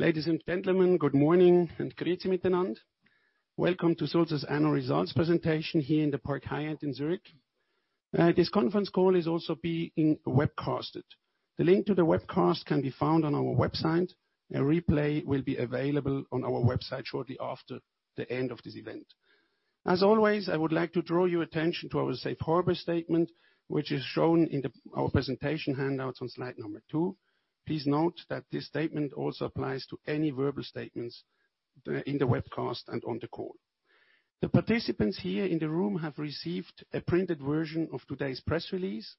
Ladies and gentlemen, good morning and welcome to Sulzer's annual results presentation here in the Park Hyatt in Zurich. This conference call is also being webcast. The link to the webcast can be found on our website. A replay will be available on our website shortly after the end of this event. As always, I would like to draw your attention to our safe harbor statement, which is shown in our presentation handouts on slide number two. Please note that this statement also applies to any verbal statements in the webcast and on the call. The participants here in the room have received a printed version of today's press release,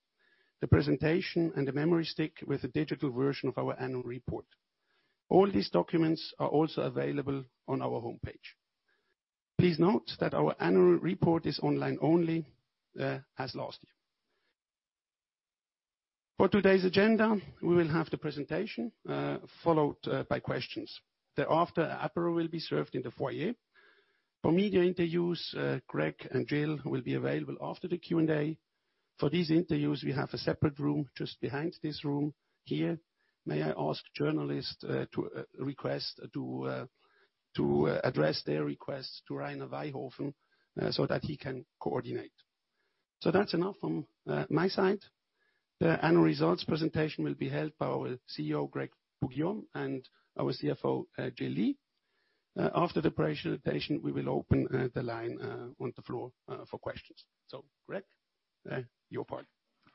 the presentation, and a memory stick with a digital version of our annual report. All these documents are also available on our homepage. Please note that our annual report is online only, as last year. For today's agenda, we will have the presentation, followed by questions. Thereafter, aperitif will be served in the foyer. For media interviews, Greg and Jill will be available after the Q&A. For these interviews, we have a separate room just behind this room here. May I ask journalists to address their requests to Rainer Weihofen, so that he can coordinate. That's enough from my side. The annual results presentation will be held by our CEO, Grégoire Poux-Guillaume, and our CFO, Jill Lee. After the presentation, we will open the line on the floor for questions. Greg, your part.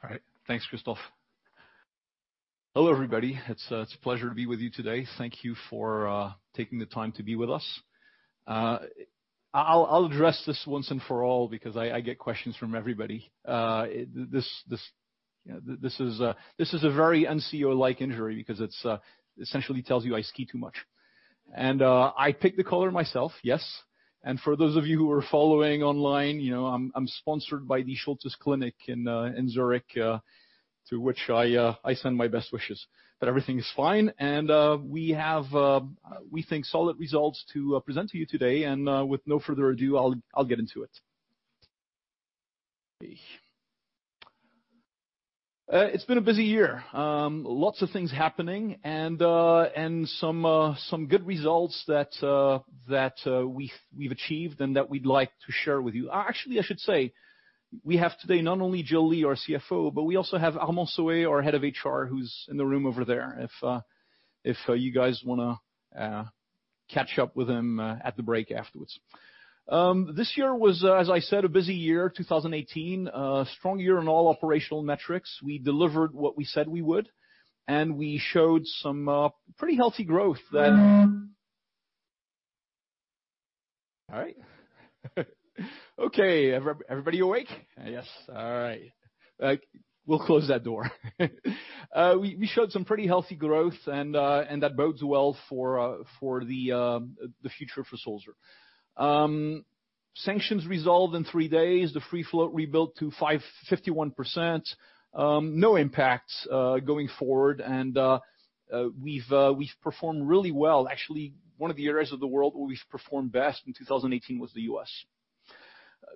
All right. Thanks, Christoph. Hello, everybody. It's a pleasure to be with you today. Thank you for taking the time to be with us. I'll address this once and for all because I get questions from everybody. This is a very un-CEO-like injury because it essentially tells you I ski too much. I picked the color myself, yes. For those of you who are following online, I'm sponsored by the Schulthess Klinik in Zurich, to which I send my best wishes. But everything is fine, and we have, we think, solid results to present to you today. With no further ado, I'll get into it. It's been a busy year. Lots of things happening and some good results that we've achieved and that we'd like to share with you. Actually, I should say, we have today not only Jill Lee, our CFO, but we also have Armand Sohet, our Head of HR, who's in the room over there, if you guys want to catch up with him at the break afterwards. This year was, as I said, a busy year, 2018. A strong year in all operational metrics. We delivered what we said we would, and we showed some pretty healthy growth. All right. Okay, everybody awake? Yes. All right. We'll close that door. We showed some pretty healthy growth, and that bodes well for the future for Sulzer. Sanctions resolved in three days. The free float rebuilt to 51%. No impacts going forward. We've performed really well. Actually, one of the areas of the world where we've performed best in 2018 was the U.S.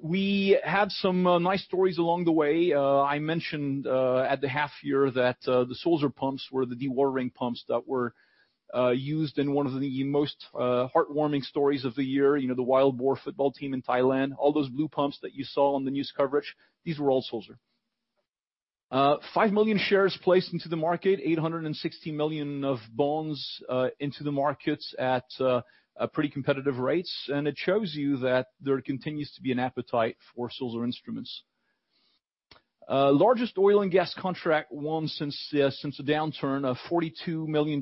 We had some nice stories along the way. I mentioned at the half year that the Sulzer pumps were the dewatering pumps that were used in one of the most heartwarming stories of the year, the Wild Boars football team in Thailand. All those blue pumps that you saw on the news coverage, these were all Sulzer. 5 million shares placed into the market, 860 million of bonds into the markets at pretty competitive rates, and it shows you that there continues to be an appetite for Sulzer instruments. Largest oil and gas contract won since the downturn, a $42 million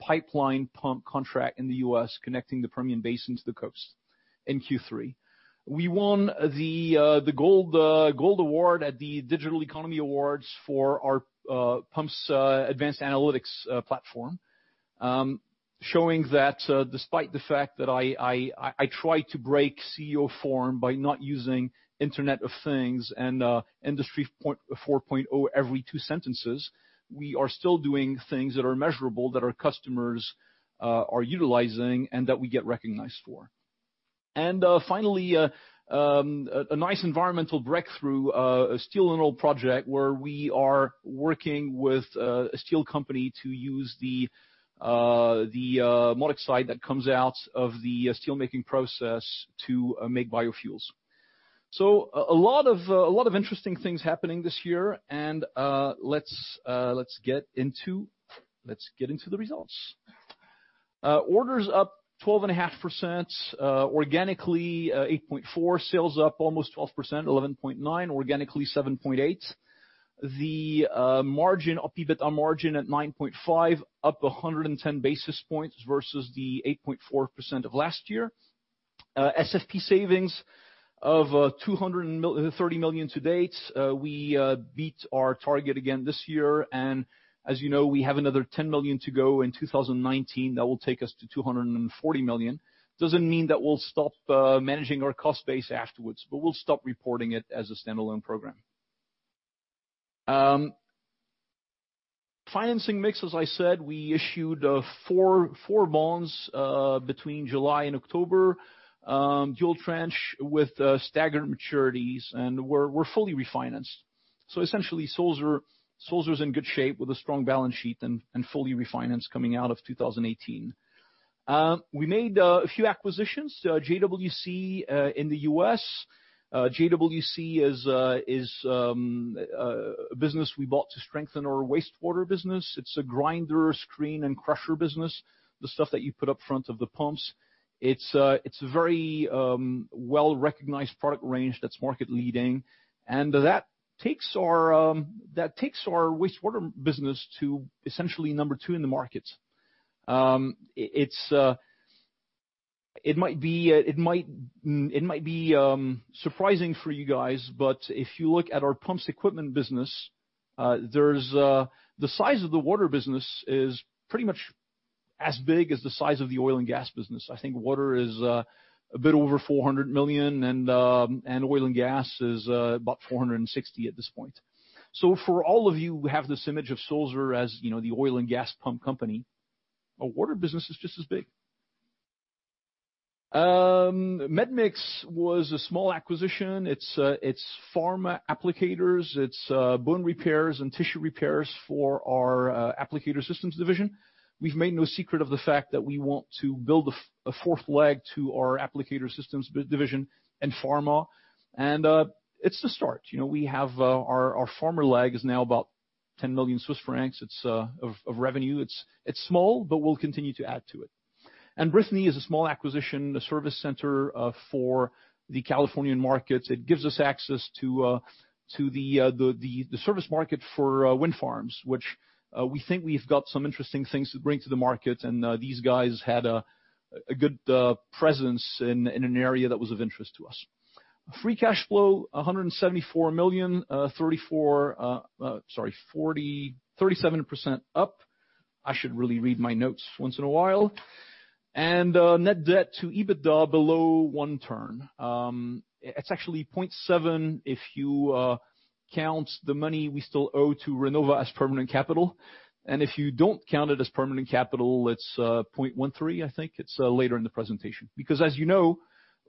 pipeline pump contract in the U.S. connecting the Permian Basin to the coast in Q3. We won the Gold Award at the Digital Economy Award for our pumps' advanced analytics platform, showing that despite the fact that I try to break CEO form by not using Internet of Things and Industry 4.0 every two sentences, we are still doing things that are measurable, that our customers are utilizing, and that we get recognized for. And finally, a nice environmental breakthrough, a steel and oil project where we are working with a steel company to use the magnetite that comes out of the steel-making process to make biofuels. A lot of interesting things happening this year. Let's get into the results. Orders up 12.5%, organically 8.4%. Sales up almost 12%, 11.9%, organically 7.8%. The opEBITA margin at 9.5%, up 110 basis points versus the 8.4% of last year. SFP savings of 230 million to date. We beat our target again this year, and as you know, we have another 10 million to go in 2019. That will take us to 240 million. Doesn't mean that we'll stop managing our cost base afterwards, but we'll stop reporting it as a standalone program. Financing mix, as I said, we issued four bonds between July and October, dual tranche with staggered maturities, and we're fully refinanced. Essentially, Sulzer is in good shape with a strong balance sheet and fully refinanced coming out of 2018. We made a few acquisitions, JWC, in the U.S. JWC is a business we bought to strengthen our wastewater business. It's a grinder, screen, and crusher business, the stuff that you put up front of the pumps. It's a very well-recognized product range that's market-leading. And that takes our wastewater business to essentially number two in the market. It might be surprising for you guys, but if you look at our Pumps Equipment business, the size of the water business is pretty much as big as the size of the oil and gas business. I think water is a bit over 400 million, and oil and gas is about 460 million at this point. So for all of you who have this image of Sulzer as the oil and gas pump company, our water business is just as big. Medmix was a small acquisition. It's pharma applicators. It's bone repairs and tissue repairs for our applicator systems division. We've made no secret of the fact that we want to build a fourth leg to our applicator systems division in pharma, and it's a start. Our pharma leg is now about 10 million Swiss francs of revenue. It's small, but we'll continue to add to it. Brithinee is a small acquisition, a service center for the Californian markets. It gives us access to the service market for wind farms, which we think we've got some interesting things to bring to the market, and these guys had a good presence in an area that was of interest to us. Free cash flow, 174 million, 37% up. I should really read my notes once in a while. Net debt to EBITDA below one turn. It's actually 0.7 if you count the money we still owe to Renova as permanent capital, and if you don't count it as permanent capital, it's 0.13, I think. It's later in the presentation. As you know,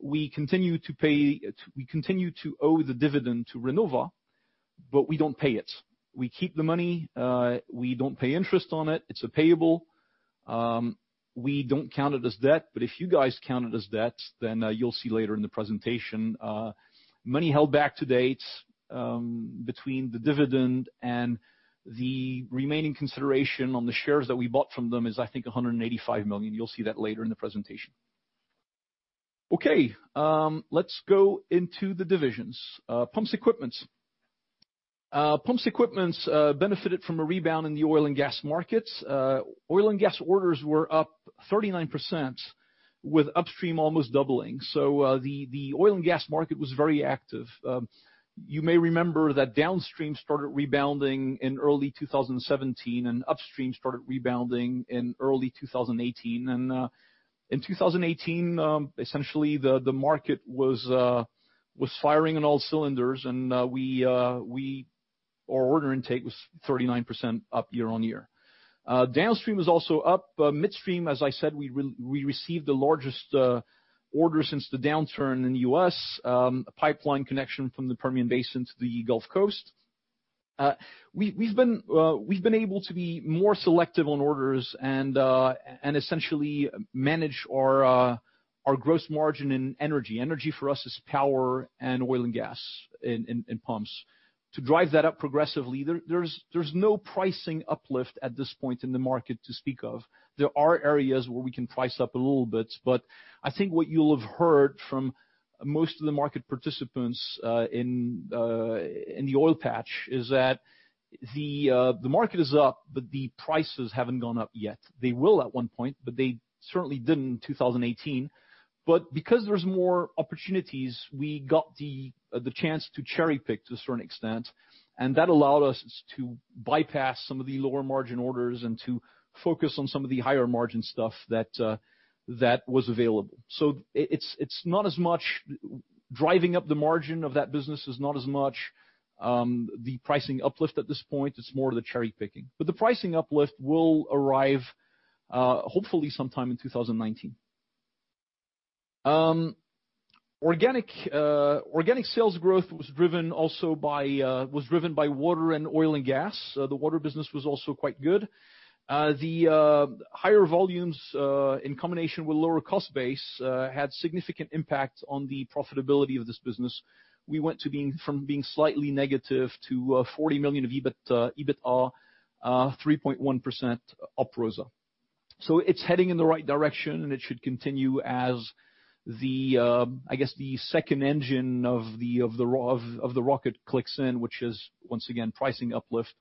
we continue to owe the dividend to Renova, but we don't pay it. We keep the money. We don't pay interest on it. It's a payable. We don't count it as debt, but if you guys count it as debt, then you'll see later in the presentation, money held back to date between the dividend and the remaining consideration on the shares that we bought from them is, I think, 185 million. You'll see that later in the presentation. Okay. Let's go into the divisions. Pumps Equipment. Pumps Equipment benefited from a rebound in the oil and gas markets. Oil and gas orders were up 39% with upstream almost doubling. The oil and gas market was very active. You may remember that downstream started rebounding in early 2017, and upstream started rebounding in early 2018. In 2018, essentially, the market was firing on all cylinders and our order intake was 39% up year-on-year. Downstream was also up. Midstream, as I said, we received the largest order since the downturn in the U.S., a pipeline connection from the Permian Basin to the Gulf Coast. We've been able to be more selective on orders and essentially manage our gross margin in energy. Energy for us is power and oil and gas in pumps. To drive that up progressively, there's no pricing uplift at this point in the market to speak of. There are areas where we can price up a little bit, I think what you'll have heard from most of the market participants in the oil patch is that the market is up, but the prices haven't gone up yet. They will at one point, but they certainly didn't in 2018. Because there's more opportunities, we got the chance to cherry-pick to a certain extent, that allowed us to bypass some of the lower margin orders and to focus on some of the higher margin stuff that was available. Driving up the margin of that business is not as much the pricing uplift at this point. It's more the cherry-picking. The pricing uplift will arrive hopefully sometime in 2019. Organic sales growth was driven by water and oil and gas. The water business was also quite good. The higher volumes, in combination with lower cost base, had significant impact on the profitability of this business. We went from being slightly negative to 40 million of EBITDA, 3.1% opEBITA. It's heading in the right direction, and it should continue as, I guess, the second engine of the rocket clicks in, which is once again pricing uplift,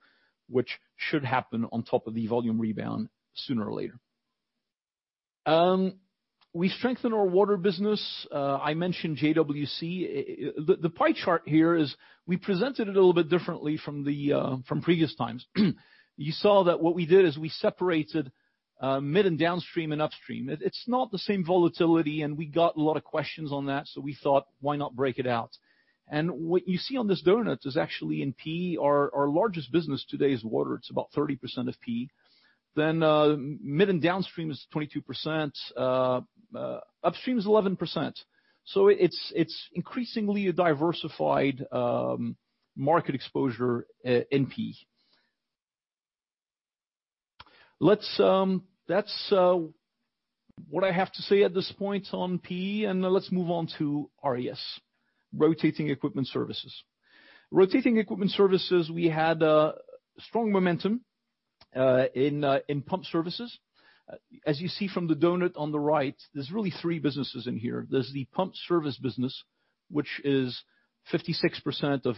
which should happen on top of the volume rebound sooner or later. We strengthened our water business. I mentioned JWC. The pie chart here is we presented it a little bit differently from previous times. You saw that what we did is we separated mid and downstream and upstream. It's not the same volatility, and we got a lot of questions on that, so we thought, why not break it out? What you see on this doughnut is actually in PE, our largest business today is water. It's about 30% of PE. Then mid and downstream is 22%, upstream is 11%. It's increasingly a diversified market exposure in PE. That's what I have to say at this point on PE. Let's move on to RES, Rotating Equipment Services. Rotating Equipment Services, we had a strong momentum in pump services. As you see from the donut on the right, there's really three businesses in here. There's the pump service business, which is 56% of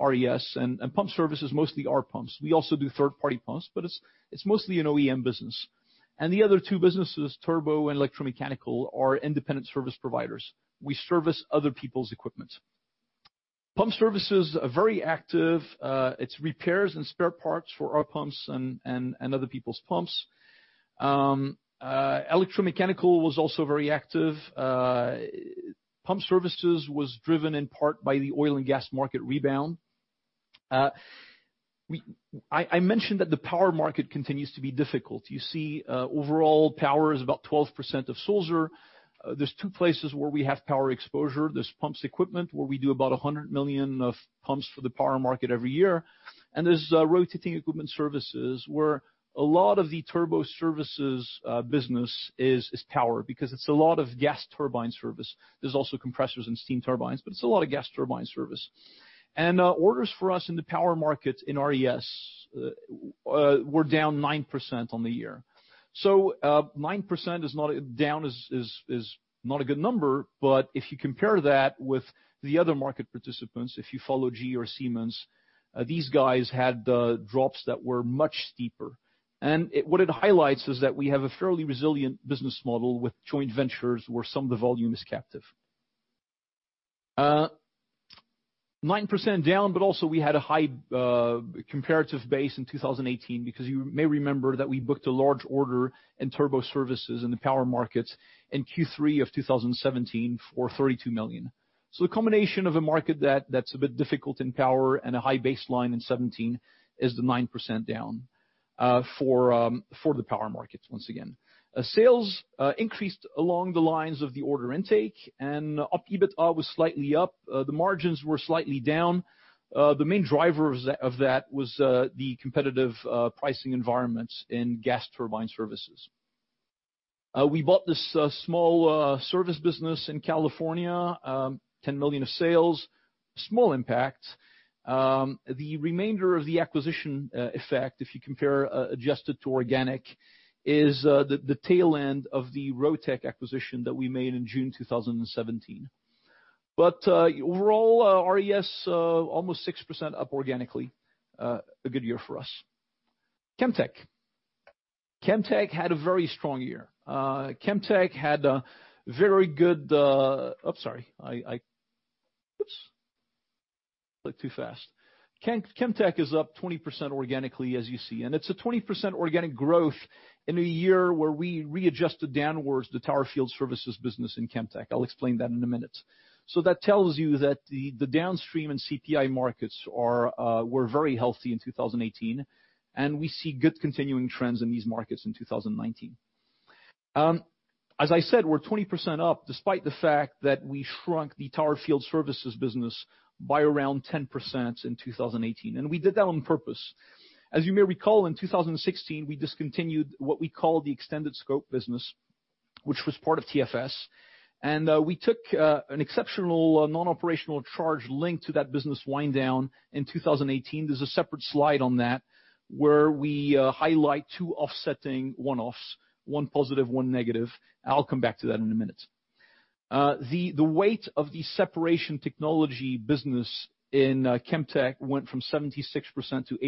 RES, and pump services mostly are pumps. We also do third-party pumps, but it's mostly an OEM business. The other two businesses, turbo and electromechanical, are independent service providers. We service other people's equipment. Pump services are very active. It's repairs and spare parts for our pumps and other people's pumps. Electromechanical was also very active. Pump services was driven in part by the oil and gas market rebound. I mentioned that the power market continues to be difficult. You see, overall power is about 12% of Sulzer. There's two places where we have power exposure. There's Pumps Equipment, where we do about 100 million of pumps for the power market every year. There's Rotating Equipment Services, where a lot of the turbo services business is power, because it's a lot of gas turbine service. There's also compressors and steam turbines, but it's a lot of gas turbine service. Orders for us in the power market in RES were down 9% on the year. 9% down is not a good number. If you compare that with the other market participants, if you follow GE or Siemens, these guys had drops that were much steeper. What it highlights is that we have a fairly resilient business model with joint ventures where some of the volume is captive. 9% down, but also we had a high comparative base in 2018 because you may remember that we booked a large order in turbo services in the power markets in Q3 of 2017 for 32 million. The combination of a market that's a bit difficult in power and a high baseline in 2017 is the 9% down for the power markets once again. Sales increased along the lines of the order intake and opEBITA was slightly up. The margins were slightly down. The main driver of that was the competitive pricing environments in gas turbine services. We bought this small service business in California, 10 million of sales, small impact. The remainder of the acquisition effect, if you compare adjusted to organic, is the tail end of the Rotec acquisition that we made in June 2017. Overall, RES almost 6% up organically. A good year for us. Chemtech. Chemtech had a very strong year. Chemtech is up 20% organically, as you see, and it's a 20% organic growth in a year where we readjusted downwards the tower field services business in Chemtech. I'll explain that in a minute. That tells you that the downstream and CPI markets were very healthy in 2018, and we see good continuing trends in these markets in 2019. As I said, we're 20% up despite the fact that we shrunk the tower field services business by around 10% in 2018, and we did that on purpose. As you may recall, in 2016, we discontinued what we call the extended scope business, which was part of TFS. We took an exceptional non-operational charge linked to that business wind down in 2018. There's a separate slide on that where we highlight two offsetting one-offs, one positive, one negative. I'll come back to that in a minute. The weight of the separation technology business in Chemtech went from 76% to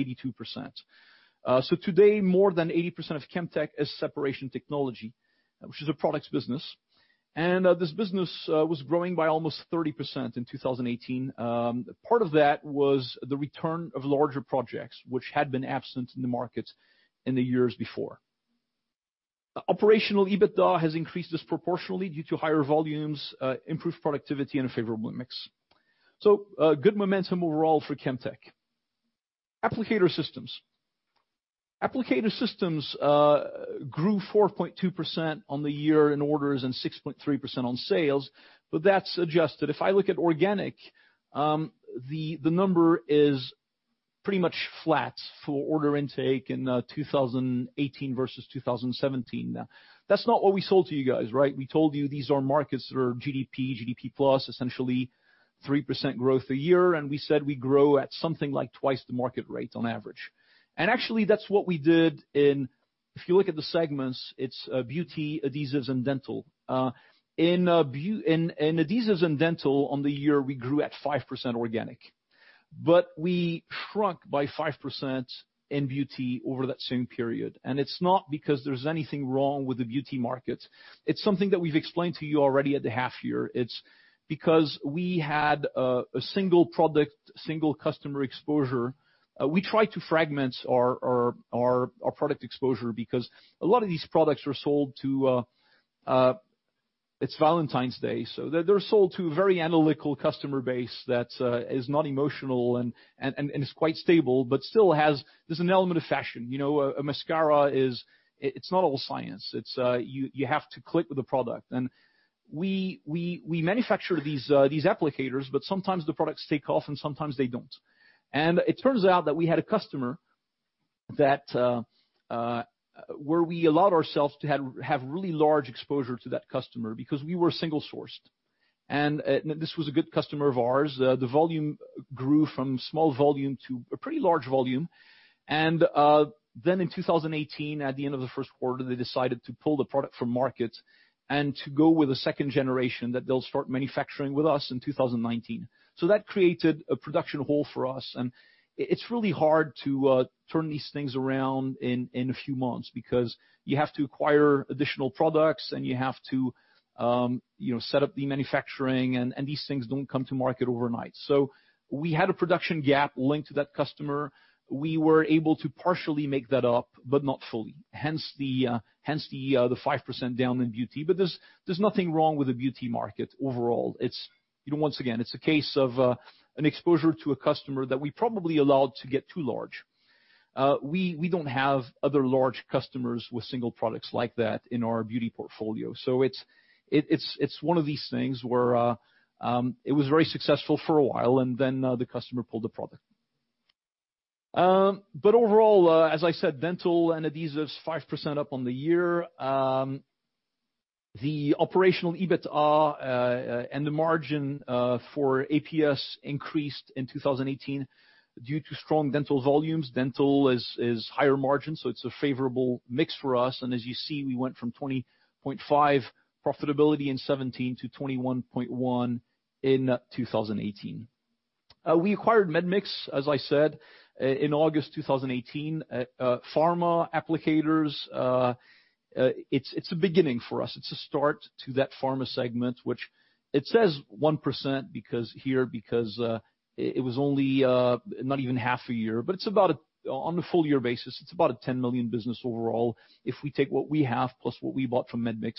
82%. Today, more than 80% of Chemtech is separation technology, which is a products business. This business was growing by almost 30% in 2018. Part of that was the return of larger projects, which had been absent in the market in the years before. Operational EBITDA has increased disproportionately due to higher volumes, improved productivity, and a favorable mix. Good momentum overall for Chemtech. Applicator Systems. Applicator Systems grew 4.2% on the year in orders and 6.3% on sales. That's adjusted. If I look at organic, the number is pretty much flat for order intake in 2018 versus 2017. That's not what we sold to you guys. We told you these are markets that are GDP plus, essentially 3% growth a year, and we said we grow at something like twice the market rate on average. Actually, that's what we did in if you look at the segments, it's beauty, adhesives, and dental. In adhesives and dental, on the year, we grew at 5% organic. We shrunk by 5% in beauty over that same period, and it's not because there's anything wrong with the beauty market. It's something that we've explained to you already at the half year. It's because we had a single product, single customer exposure. We try to fragment our product exposure because a lot of these products are sold to. It's Valentine's Day. They're sold to a very analytical customer base that is not emotional and is quite stable, but still there's an element of fashion. A mascara, it's not all science. You have to click with the product. We manufacture these applicators, but sometimes the products take off and sometimes they don't. It turns out that we had a customer where we allowed ourselves to have really large exposure to that customer because we were single-sourced. This was a good customer of ours. The volume grew from small volume to a pretty large volume. Then in 2018, at the end of the first quarter, they decided to pull the product from market and to go with a second generation that they'll start manufacturing with us in 2019. That created a production hole for us, and it's really hard to turn these things around in a few months, because you have to acquire additional products and you have to set up the manufacturing, and these things don't come to market overnight. We had a production gap linked to that customer. We were able to partially make that up, but not fully, hence the 5% down in beauty. There's nothing wrong with the beauty market overall. Once again, it's a case of an exposure to a customer that we probably allowed to get too large. We don't have other large customers with single products like that in our beauty portfolio. It's one of these things where it was very successful for a while and then the customer pulled the product. Overall, as I said, dental and adhesives 5% up on the year. The opEBITA and the margin for APS increased in 2018 due to strong dental volumes. Dental is higher margin, so it's a favorable mix for us. As you see, we went from 20.5% profitability in 2017 to 21.1% in 2018. We acquired Medmix, as I said, in August 2018. Pharma applicators, it's a beginning for us. It's a start to that pharma segment, which it says 1% here because it was only not even half a year, but on a full year basis, it's about a 10 million business overall, if we take what we have plus what we bought from Medmix.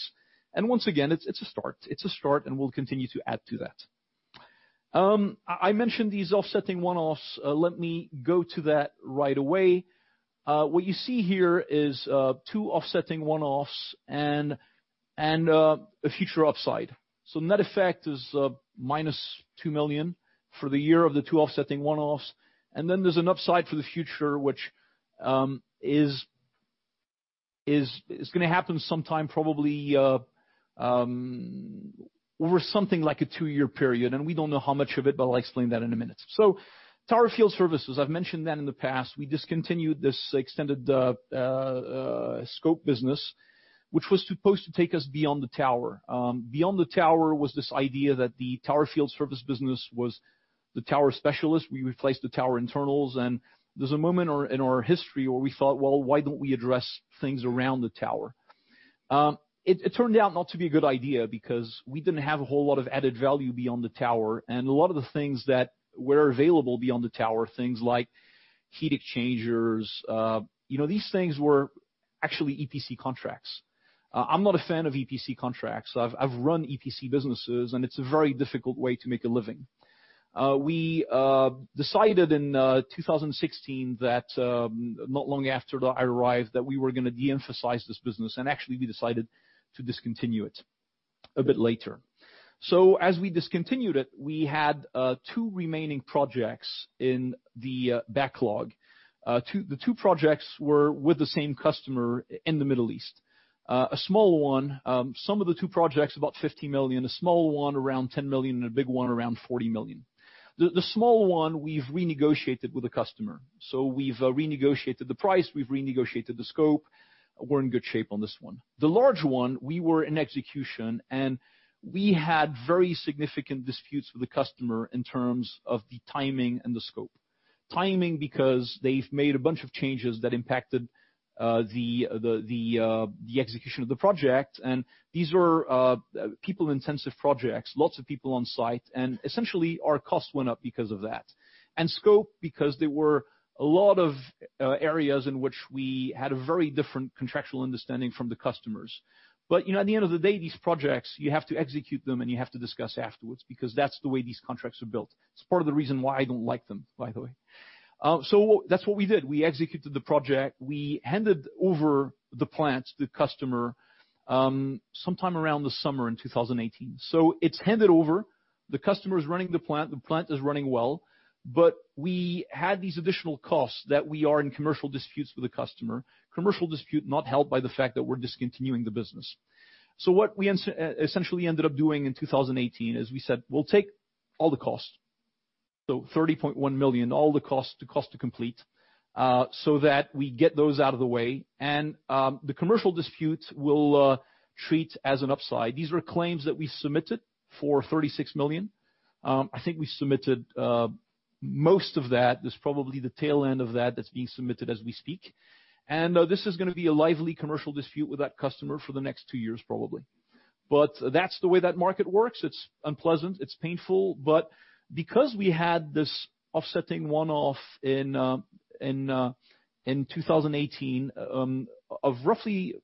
Once again, it's a start. It's a start, and we'll continue to add to that. I mentioned these offsetting one-offs. Let me go to that right away. What you see here is two offsetting one-offs and a future upside. Net effect is minus 2 million for the year of the two offsetting one-offs. Then there's an upside for the future, which is going to happen sometime, probably over something like a two-year period. We don't know how much of it, but I'll explain that in a minute. Tower field services, I've mentioned that in the past. We discontinued this extended scope business, which was supposed to take us beyond the tower. Beyond the tower was this idea that the tower field service business was the tower specialist. We replaced the tower internals, and there's a moment in our history where we thought, "Well, why don't we address things around the tower?" It turned out not to be a good idea because we didn't have a whole lot of added value beyond the tower, and a lot of the things that were available beyond the tower, things like heat exchangers, these things were actually EPC contracts. I'm not a fan of EPC contracts. I've run EPC businesses, and it's a very difficult way to make a living. We decided in 2016 that, not long after I arrived, that we were going to de-emphasize this business, and actually, we decided to discontinue it a bit later. As we discontinued it, we had two remaining projects in the backlog. The two projects were with the same customer in the Middle East. A small one. Sum of the two projects, about 50 million. A small one around 10 million and a big one around 40 million. The small one, we've renegotiated with the customer. We've renegotiated the price, we've renegotiated the scope. We're in good shape on this one. The large one, we were in execution, and we had very significant disputes with the customer in terms of the timing and the scope. Timing, because they've made a bunch of changes that impacted the execution of the project, and these were people-intensive projects, lots of people on site, and essentially, our cost went up because of that. Scope, because there were a lot of areas in which we had a very different contractual understanding from the customers. At the end of the day, these projects, you have to execute them and you have to discuss afterwards, because that's the way these contracts are built. It's part of the reason why I don't like them, by the way. That's what we did. We executed the project. We handed over the plant to the customer sometime around the summer in 2018. It's handed over. The customer is running the plant. The plant is running well. We had these additional costs that we are in commercial disputes with the customer. Commercial dispute not helped by the fact that we're discontinuing the business. What we essentially ended up doing in 2018 is we said, "We'll take all the cost." 30.1 million, all the cost to complete, so that we get those out of the way. The commercial dispute we'll treat as an upside. These were claims that we submitted for 36 million. I think we submitted most of that. There's probably the tail end of that that's being submitted as we speak. This is going to be a lively commercial dispute with that customer for the next two years, probably. That's the way that market works. It's unpleasant, it's painful, but because we had this offsetting one-off in 2018 of roughly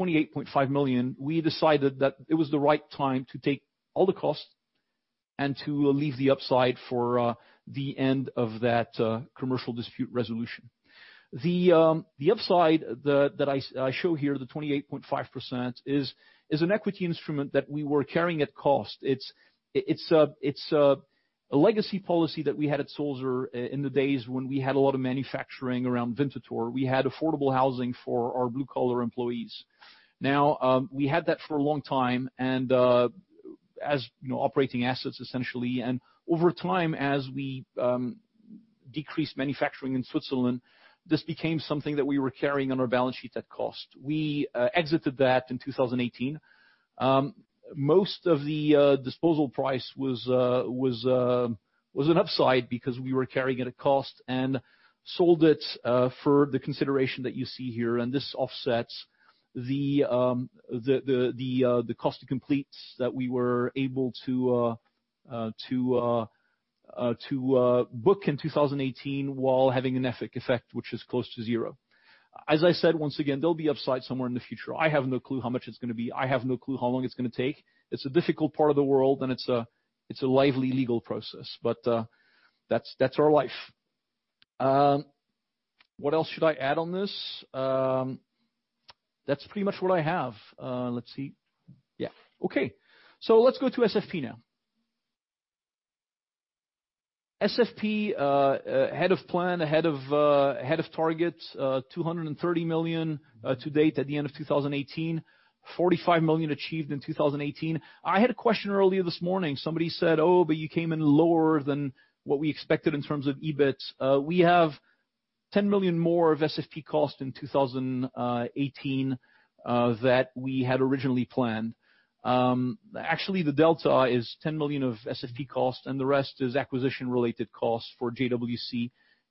28.5 million, we decided that it was the right time to take all the cost and to leave the upside for the end of that commercial dispute resolution. The upside that I show here, the 28.5%, is an equity instrument that we were carrying at cost. It's a legacy policy that we had at Sulzer in the days when we had a lot of manufacturing around Winterthur. We had affordable housing for our blue-collar employees. We had that for a long time, and as operating assets essentially. Over time, as we decreased manufacturing in Switzerland, this became something that we were carrying on our balance sheet at cost. We exited that in 2018. Most of the disposal price was an upside because we were carrying at a cost and sold it for the consideration that you see here. This offsets the cost of completes that we were able to book in 2018 while having an effect which is close to zero. As I said, once again, there'll be upside somewhere in the future. I have no clue how much it's going to be. I have no clue how long it's going to take. It's a difficult part of the world, and it's a lively legal process, but that's our life. What else should I add on this? That's pretty much what I have. Let's see. Yeah. Okay. Let's go to SFP now. SFP, ahead of plan, ahead of target, 230 million to date at the end of 2018, 45 million achieved in 2018. I had a question earlier this morning. Somebody said, "Oh, you came in lower than what we expected in terms of EBIT." We have 10 million more of SFP cost in 2018, that we had originally planned. The delta is 10 million of SFP cost, and the rest is acquisition-related costs for JWC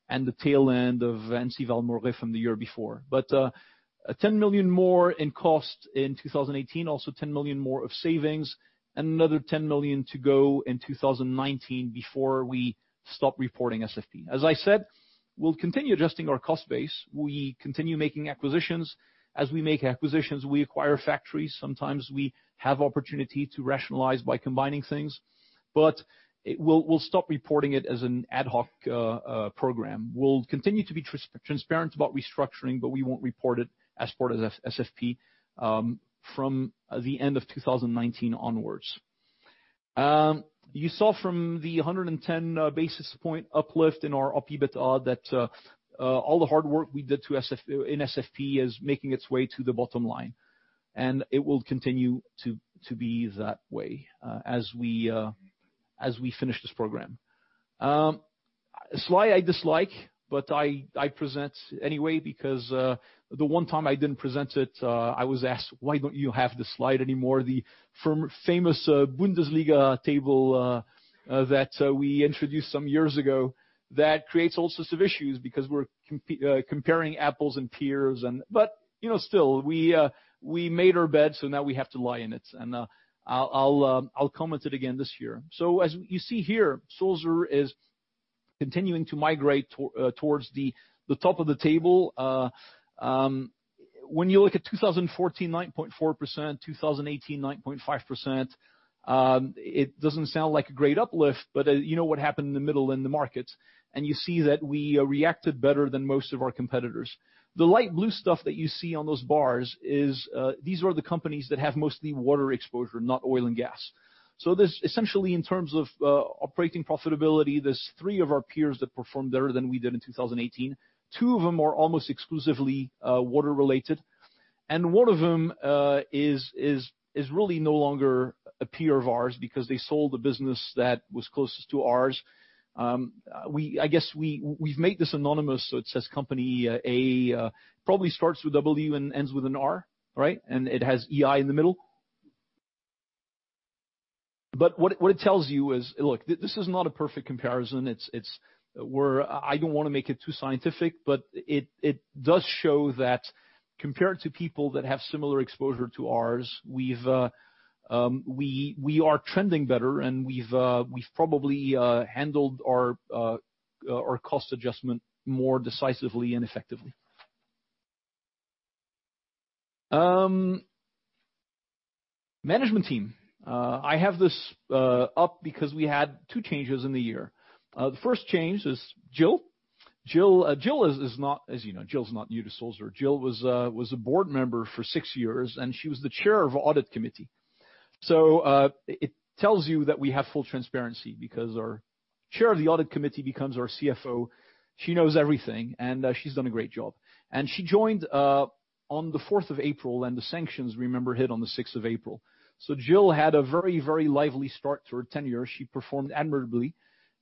and the tail end of Ensival Moret from the year before. 10 million more in cost in 2018, also 10 million more of savings, and another 10 million to go in 2019 before we stop reporting SFP. As I said, we'll continue adjusting our cost base. We continue making acquisitions. As we make acquisitions, we acquire factories. Sometimes we have opportunity to rationalize by combining things, we'll stop reporting it as an ad hoc program. We'll continue to be transparent about restructuring, we won't report it as part of SFP from the end of 2019 onwards. You saw from the 110 basis point uplift in our EBITA that all the hard work we did in SFP is making its way to the bottom line, and it will continue to be that way as we finish this program. Slide I dislike, but I present anyway because the one time I didn't present it, I was asked, "Why don't you have this slide anymore?" The famous Bundesliga table that we introduced some years ago that creates all sorts of issues because we're comparing apples and pears. Still, we made our bed, now we have to lie in it. I'll comment it again this year. As you see here, Sulzer is continuing to migrate towards the top of the table. When you look at 2014, 9.4%, 2018, 9.5%, it doesn't sound like a great uplift, you know what happened in the middle in the markets, you see that we reacted better than most of our competitors. The light blue stuff that you see on those bars is, these are the companies that have mostly water exposure, not oil and gas. This essentially in terms of operating profitability, there's three of our peers that performed better than we did in 2018. Two of them are almost exclusively water-related, and one of them is really no longer a peer of ours because they sold a business that was closest to ours. I guess we've made this anonymous, so it says Company A. Probably starts with W and ends with an R, right? It has EI in the middle. What it tells you is, look, this is not a perfect comparison. I don't want to make it too scientific, but it does show that compared to people that have similar exposure to ours, we are trending better, and we've probably handled our cost adjustment more decisively and effectively. Management team. I have this up because we had two changes in the year. The first change is Jill. As you know, Jill's not new to Sulzer. Jill was a board member for six years, and she was the Chair of Audit Committee. It tells you that we have full transparency because our Chair of the Audit Committee becomes our CFO. She knows everything, she's done a great job. She joined on the 4th of April, and the sanctions, remember, hit on the 6th of April. Jill had a very lively start to her tenure. She performed admirably,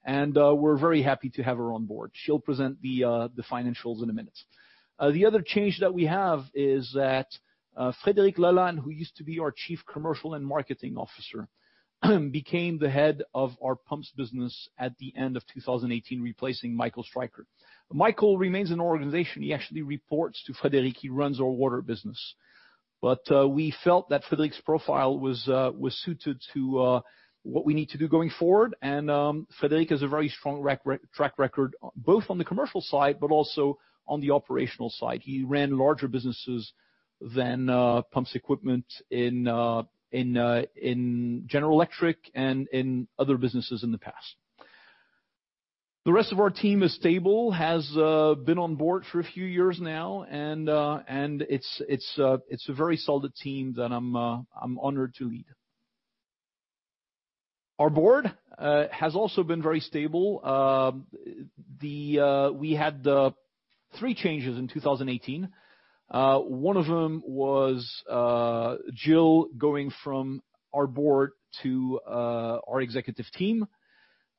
we're very happy to have her on board. She'll present the financials in a minute. The other change that we have is that Frédéric Lalanne, who used to be our Chief Commercial and Marketing Officer, became the head of our Pumps business at the end of 2018, replacing Michael Streicher. Michael remains in the organization. He actually reports to Frédéric. He runs our water business. We felt that Frédéric's profile was suited to what we need to do going forward, Frédéric has a very strong track record, both on the commercial side, but also on the operational side. He ran larger businesses than Pumps Equipment in General Electric and in other businesses in the past. The rest of our team is stable, has been on board for a few years now, and it's a very solid team that I'm honored to lead. Our board has also been very stable. We had three changes in 2018. One of them was Jill going from our board to our executive team.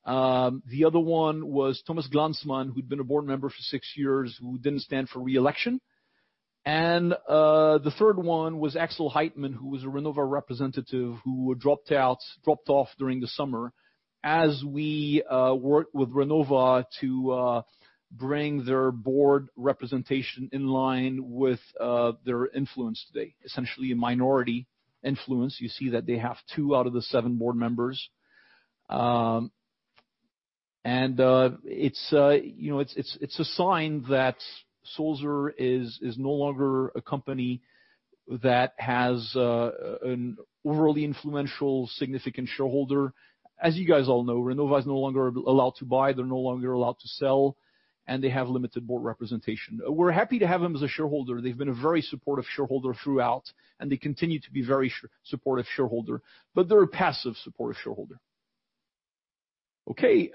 The other one was Thomas Glanzmann, who'd been a board member for six years, who didn't stand for re-election. The third one was Axel Heitmann, who was a Renova representative who dropped off during the summer as we worked with Renova to bring their board representation in line with their influence today. Essentially a minority influence, you see that they have two out of the seven board members. It's a sign that Sulzer is no longer a company that has an overly influential, significant shareholder. As you guys all know, Renova is no longer allowed to buy, they're no longer allowed to sell, and they have limited board representation. We're happy to have them as a shareholder. They've been a very supportive shareholder throughout, and they continue to be a very supportive shareholder, but they're a passive supportive shareholder. Okay.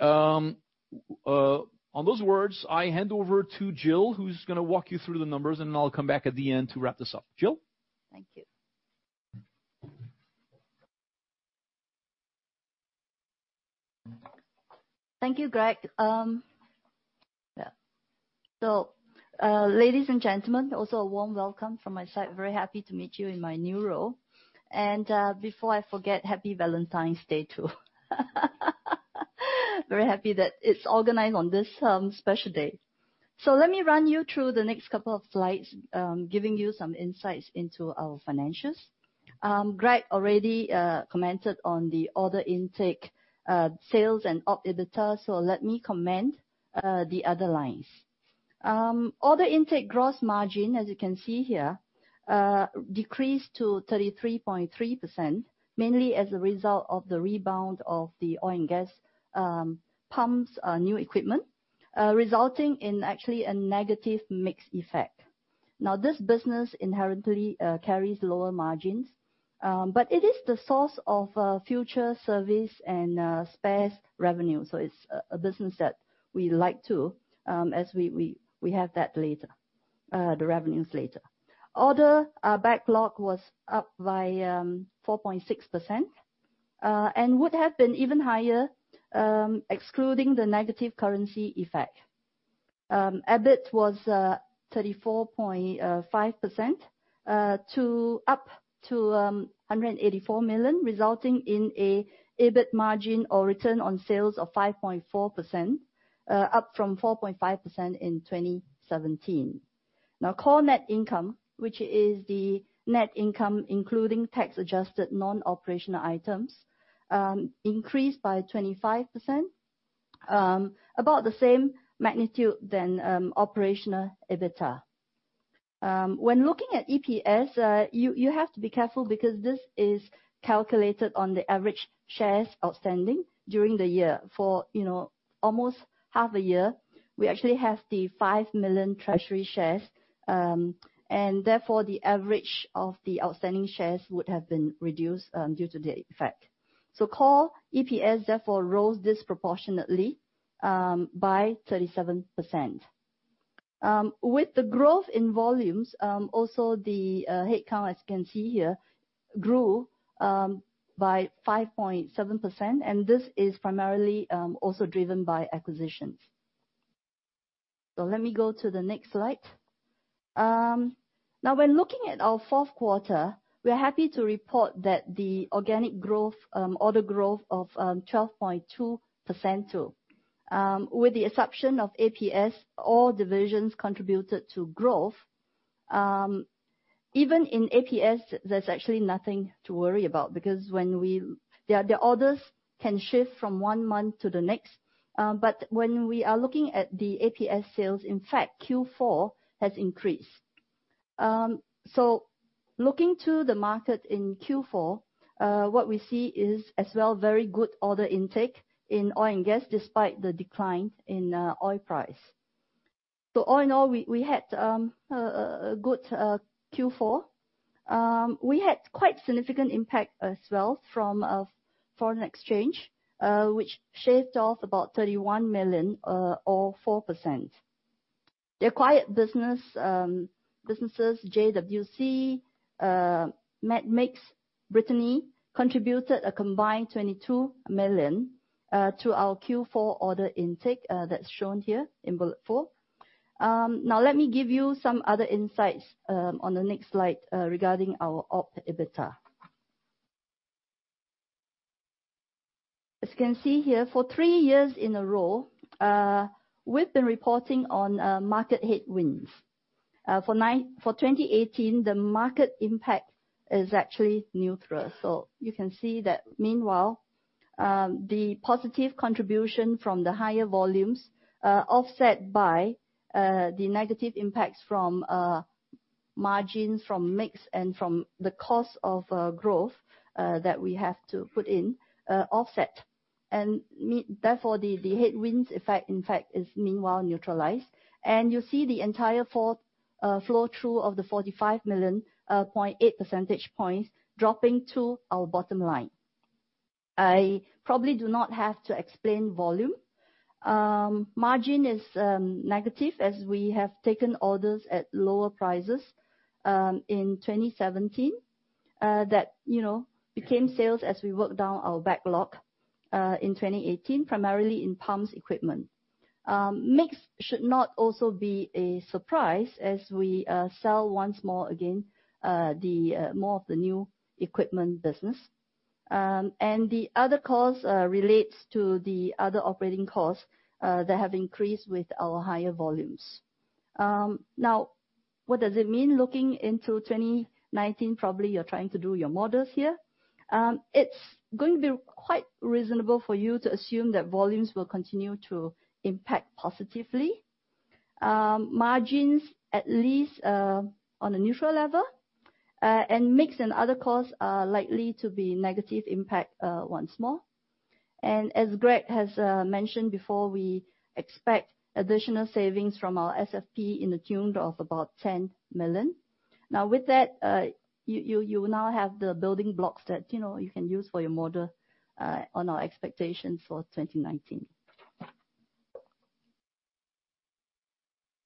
On those words, I hand over to Jill, who's going to walk you through the numbers, and I'll come back at the end to wrap this up. Jill? Thank you. Thank you, Greg. Ladies and gentlemen, also a warm welcome from my side. Very happy to meet you in my new role. Before I forget, Happy Valentine's Day too. Very happy that it's organized on this special day. Let me run you through the next couple of slides, giving you some insights into our financials. Greg already commented on the order intake sales and opEBITDA, so let me comment the other lines. Order intake gross margin, as you can see here, decreased to 33.3%, mainly as a result of the rebound of the oil and gas pumps new equipment, resulting in actually a negative mix effect. Now, this business inherently carries lower margins, but it is the source of future service and spares revenue. It's a business that we like too, as we have that later, the revenues later. Order backlog was up by 4.6%, and would have been even higher excluding the negative currency effect. EBIT was 34.5%, up to 184 million, resulting in an EBIT margin or return on sales of 5.4%, up from 4.5% in 2017. Core net income, which is the net income including tax-adjusted non-operational items, increased by 25%, about the same magnitude than operational EBITDA. When looking at EPS, you have to be careful because this is calculated on the average shares outstanding during the year. For almost half a year, we actually have the 5 million treasury shares, and therefore the average of the outstanding shares would have been reduced due to the effect. Core EPS therefore rose disproportionately by 37%. With the growth in volumes, also the headcount, as you can see here, grew by 5.7%, and this is primarily also driven by acquisitions. Let me go to the next slide. When looking at our fourth quarter, we are happy to report that the organic growth, order growth of 12.2% too. With the exception of APS, all divisions contributed to growth. Even in APS, there's actually nothing to worry about because the orders can shift from one month to the next. When we are looking at the APS sales, in fact, Q4 has increased. Looking to the market in Q4, what we see is as well very good order intake in oil and gas despite the decline in oil price. All in all, we had a good Q4. We had quite significant impact as well from foreign exchange, which shaved off about 31 million or 4%. The acquired businesses JWC, Medmix, Brithinee, contributed a combined 22 million to our Q4 order intake that's shown here in bullet four. Let me give you some other insights on the next slide regarding our opEBITDA. As you can see here, for three years in a row, we've been reporting on market headwinds. For 2018, the market impact is actually neutral. You can see that meanwhile, the positive contribution from the higher volumes are offset by the negative impacts from margins from mix and from the cost of growth that we have to put in offset. Therefore the headwinds effect, in fact, is meanwhile neutralized. And you see the entire flow-through of the 45 million, 0.8 percentage points dropping to our bottom line. I probably do not have to explain volume. Margin is negative as we have taken orders at lower prices in 2017, that became sales as we worked down our backlog, in 2018, primarily in Pumps Equipment. Mix should not also be a surprise as we sell once more, again, more of the new equipment business. The other cost relates to the other operating costs that have increased with our higher volumes. What does it mean looking into 2019? Probably you're trying to do your models here. It's going to be quite reasonable for you to assume that volumes will continue to impact positively. Margins, at least, on a neutral level. Mix and other costs are likely to be negative impact once more. As Greg has mentioned before, we expect additional savings from our SFP in the tune of about 10 million. With that, you now have the building blocks that you can use for your model on our expectations for 2019.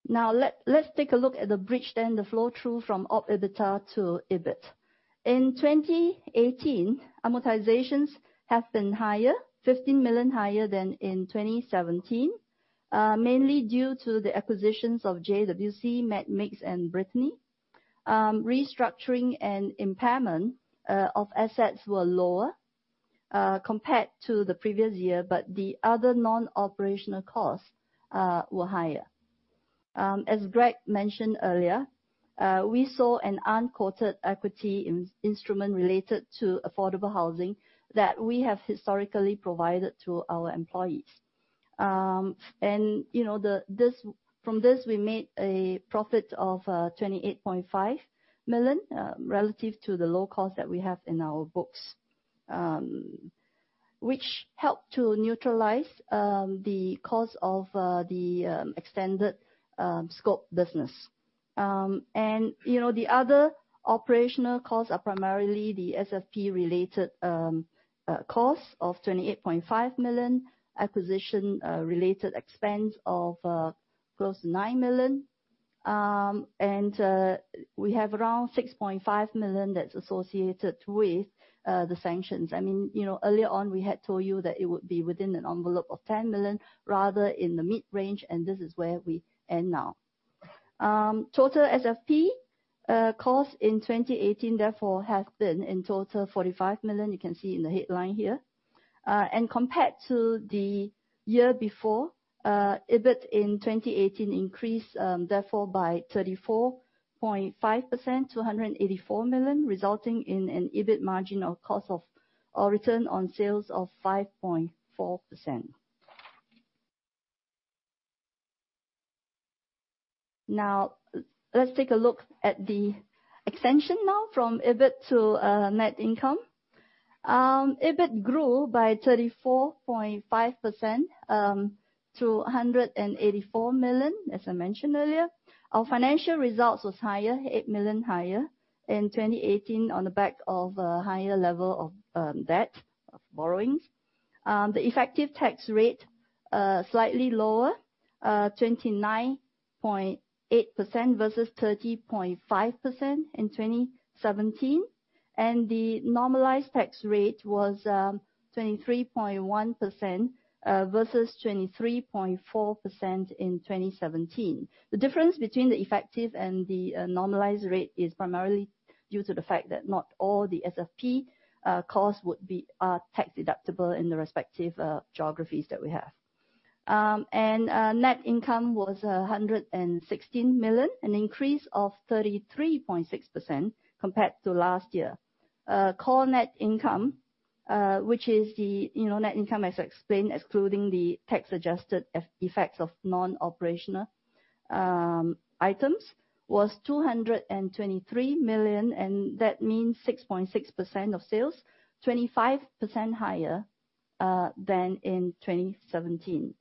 Let's take a look at the bridge then the flow-through from opEBITA to EBIT. In 2018, amortizations have been higher, 15 million higher than in 2017, mainly due to the acquisitions of JWC, Medmix, and Brithinee. Restructuring and impairment of assets were lower compared to the previous year, but the other non-operational costs were higher. As Greg mentioned earlier, we saw an unquoted equity instrument related to affordable housing that we have historically provided to our employees. From this we made a profit of 28.5 million relative to the low cost that we have in our books, which helped to neutralize the cost of the extended scope business. The other operational costs are primarily the SFP-related cost of 28.5 million, acquisition-related expense of close to 9 million, and we have around 6.5 million that's associated with the sanctions. Earlier on, we had told you that it would be within an envelope of 10 million rather in the mid-range, and this is where we end now. Total SFP cost in 2018 therefore has been in total 45 million. You can see in the headline here. Compared to the year before, EBIT in 2018 increased therefore by 34.5% to 184 million, resulting in an EBIT margin or return on sales of 5.4%. Let's take a look at the extension now from EBIT to net income. EBIT grew by 34.5% to 184 million, as I mentioned earlier. Our financial results was higher, 8 million higher in 2018 on the back of a higher level of debt of borrowings. The effective tax rate slightly lower, 29.8% versus 30.5% in 2017. The normalized tax rate was 23.1% versus 23.4% in 2017. The difference between the effective and the normalized rate is primarily due to the fact that not all the SFP costs are tax-deductible in the respective geographies that we have. Net income was 116 million, an increase of 33.6% compared to last year. Core net income, which is the net income as explained, excluding the tax-adjusted effects of non-operational items, was 223 million, and that means 6.6% of sales, 25% higher than in 2017.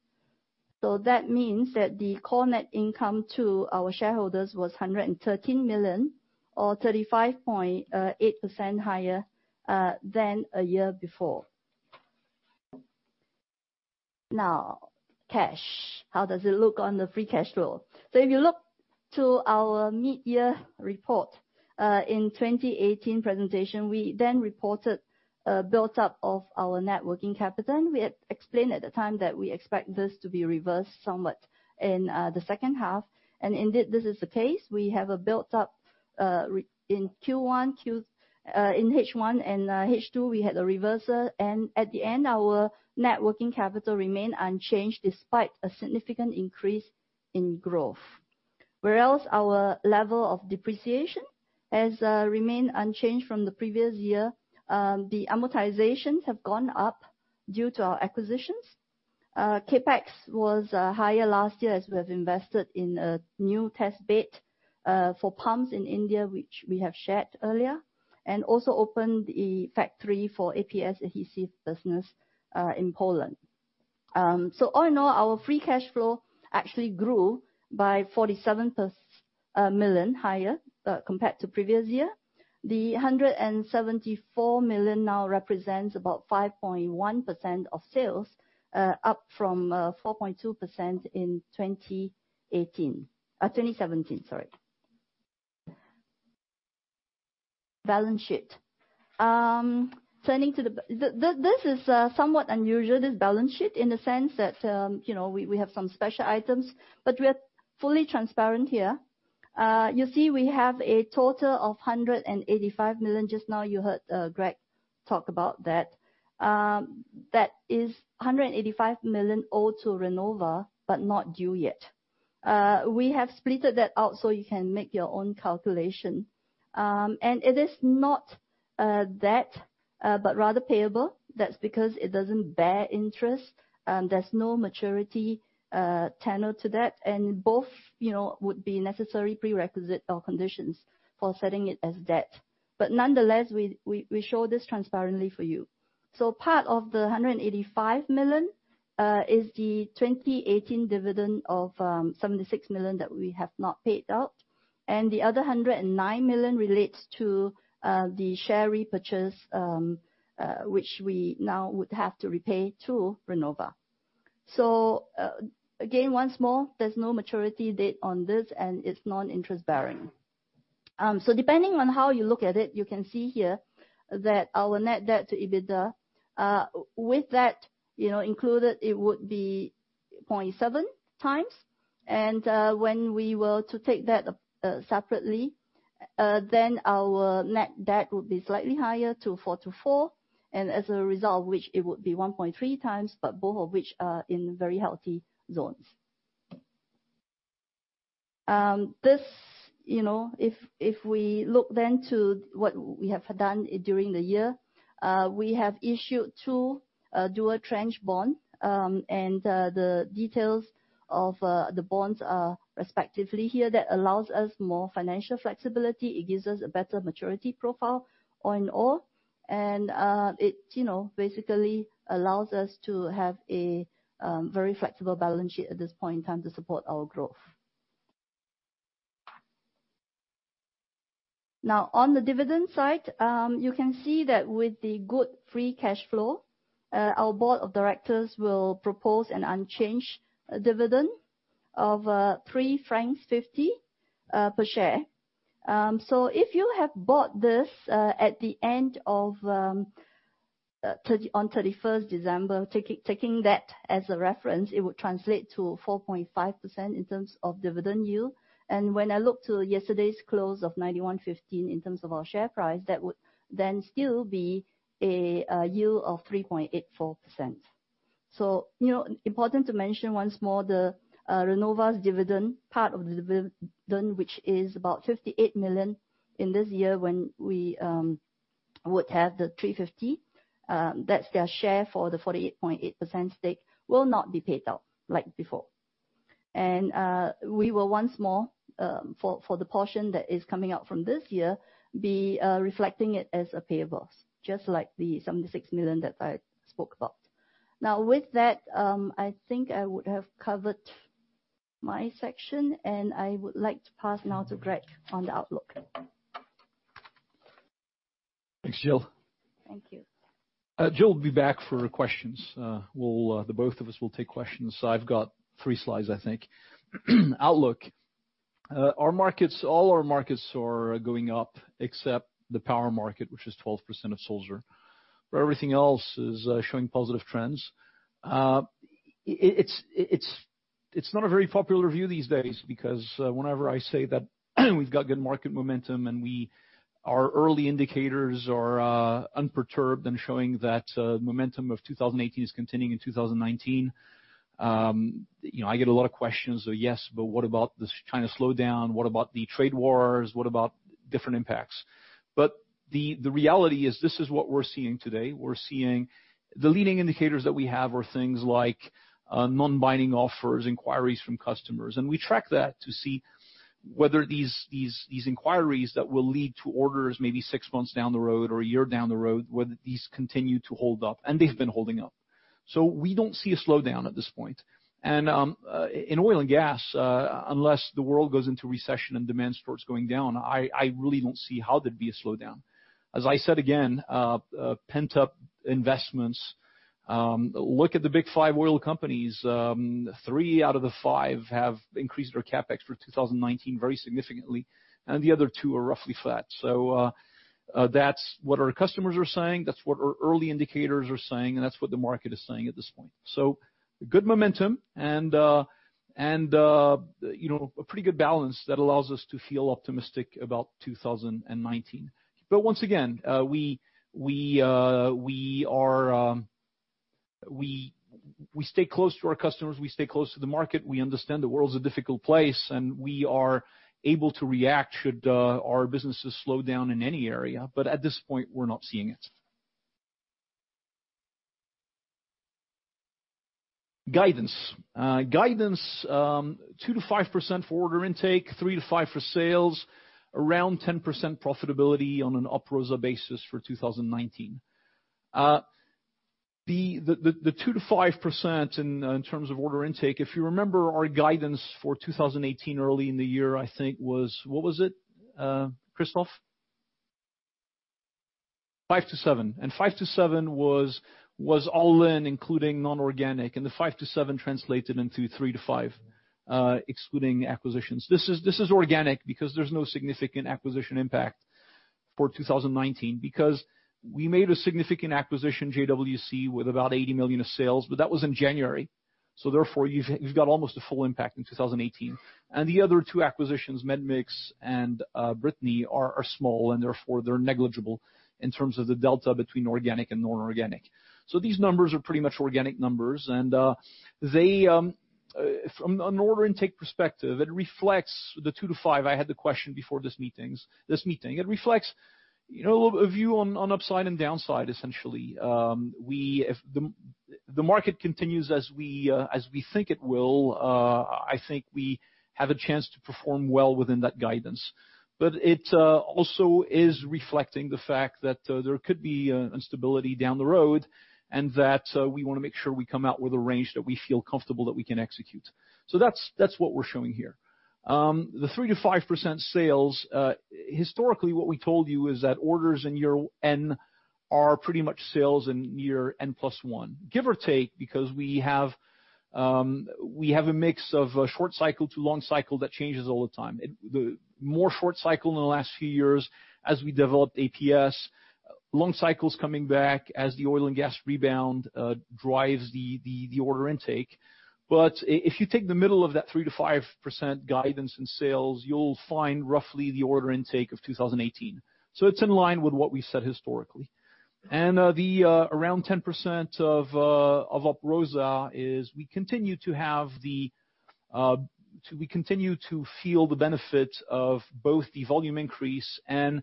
That means that the core net income to our shareholders was 113 million or 35.8% higher than a year before. Cash. How does it look on the free cash flow? If you look to our mid-year report, in 2018 presentation, we then reported a buildup of our net working capital. We had explained at the time that we expect this to be reversed somewhat in the second half. Indeed, this is the case. We have a built up in H1 and H2, we had a reversal. At the end, our net working capital remained unchanged despite a significant increase in growth. Whereas our level of depreciation has remained unchanged from the previous year. The amortizations have gone up due to our acquisitions. CapEx was higher last year as we have invested in a new test bed for pumps in India, which we have shared earlier, and also opened a factory for APS adhesive business in Poland. All in all, our free cash flow actually grew by 47 million higher compared to previous year. The 174 million now represents about 5.1% of sales, up from 4.2% in 2017. Balance sheet. This is somewhat unusual, this balance sheet, in the sense that we have some special items. We're fully transparent here. You see we have a total of 185 million. Just now you heard Greg talk about that. That is 185 million owed to Renova, but not due yet. We have split that out so you can make your own calculation. It is not debt, but rather payable. That's because it doesn't bear interest, there's no maturity tenored to that, and both would be necessary prerequisite or conditions for setting it as debt. Nonetheless, we show this transparently for you. Part of the 185 million is the 2018 dividend of 76 million that we have not paid out, and the other 109 million relates to the share repurchase, which we now would have to repay to Renova. Again, once more, there's no maturity date on this, and it's non-interest bearing. Depending on how you look at it, you can see here that our net debt to EBITA, with that included, it would be 0.7 times. When we were to take that separately, our net debt would be slightly higher to 424 million, and as a result of which, it would be 1.3 times, but both of which are in very healthy zones. If we look to what we have done during the year, we have issued two dual tranche bond, and the details of the bonds are respectively here. That allows us more financial flexibility. It gives us a better maturity profile all in all. It basically allows us to have a very flexible balance sheet at this point in time to support our growth. On the dividend side, you can see that with the good free cash flow, our board of directors will propose an unchanged dividend of 3.50 francs per share. If you have bought this on 31st December, taking that as a reference, it would translate to 4.5% in terms of dividend yield. When I look to yesterday's close of 91.15 in terms of our share price, that would still be a yield of 3.84%. Important to mention once more, Renova's dividend, part of the dividend, which is about 58 million in this year, when we would have the 3.50, that's their share for the 48.8% stake will not be paid out like before. We will once more, for the portion that is coming out from this year, be reflecting it as a payable, just like the 76 million that I spoke about. With that, I think I would have covered my section, and I would like to pass now to Greg on the outlook. Thanks, Jill. Thank you. Jill will be back for questions. The both of us will take questions. I've got three slides, I think. Outlook. All our markets are going up except the power market, which is 12% of Sulzer, but everything else is showing positive trends. It's not a very popular view these days, because whenever I say that we've got good market momentum, and our early indicators are unperturbed and showing that momentum of 2018 is continuing in 2019, I get a lot of questions. Yes, but what about this China slowdown? What about the trade wars? What about different impacts? The reality is this is what we're seeing today. The leading indicators that we have are things like non-binding offers, inquiries from customers. We track that to see whether these inquiries that will lead to orders maybe six months down the road or one year down the road, whether these continue to hold up. They've been holding up. We don't see a slowdown at this point. In oil and gas, unless the world goes into recession and demand starts going down, I really don't see how there'd be a slowdown. As I said again, pent-up investments. Look at the big five oil companies. Three out of the five have increased their CapEx for 2019 very significantly, and the other two are roughly flat. That's what our customers are saying, that's what our early indicators are saying, and that's what the market is saying at this point. Good momentum and a pretty good balance that allows us to feel optimistic about 2019. Once again, we stay close to our customers, we stay close to the market. We understand the world's a difficult place, and we are able to react should our businesses slow down in any area. At this point, we're not seeing it. Guidance, 2%-5% for order intake, 3%-5% for sales, around 10% profitability on an opEBITA basis for 2019. The 2%-5% in terms of order intake, if you remember our guidance for 2018, early in the year, I think was. What was it, Christoph? 5%-7%, and 5%-7% was all in including non-organic, and the 5%-7% translated into 3%-5% excluding acquisitions. This is organic because there's no significant acquisition impact for 2019 because we made a significant acquisition, JWC, with about 80 million of sales, but that was in January, therefore, you've got almost a full impact in 2018. The other two acquisitions, Medmix and Brithinee are small, therefore, they're negligible in terms of the delta between organic and non-organic. These numbers are pretty much organic numbers, and from an order intake perspective, it reflects the 2%-5%. I had the question before this meeting. It reflects a view on upside and downside, essentially. If the market continues as we think it will, I think we have a chance to perform well within that guidance. It also is reflecting the fact that there could be instability down the road and that we want to make sure we come out with a range that we feel comfortable that we can execute. That's what we're showing here. The 3%-5% sales, historically, what we told you is that orders in year N are pretty much sales in year n+1, give or take, because we have a mix of short cycle to long cycle that changes all the time. More short cycle in the last few years as we developed APS, long cycles coming back as the oil and gas rebound drives the order intake. If you take the middle of that 3%-5% guidance in sales, you'll find roughly the order intake of 2018. It's in line with what we've said historically. The around 10% of opEBITA is we continue to feel the benefit of both the volume increase and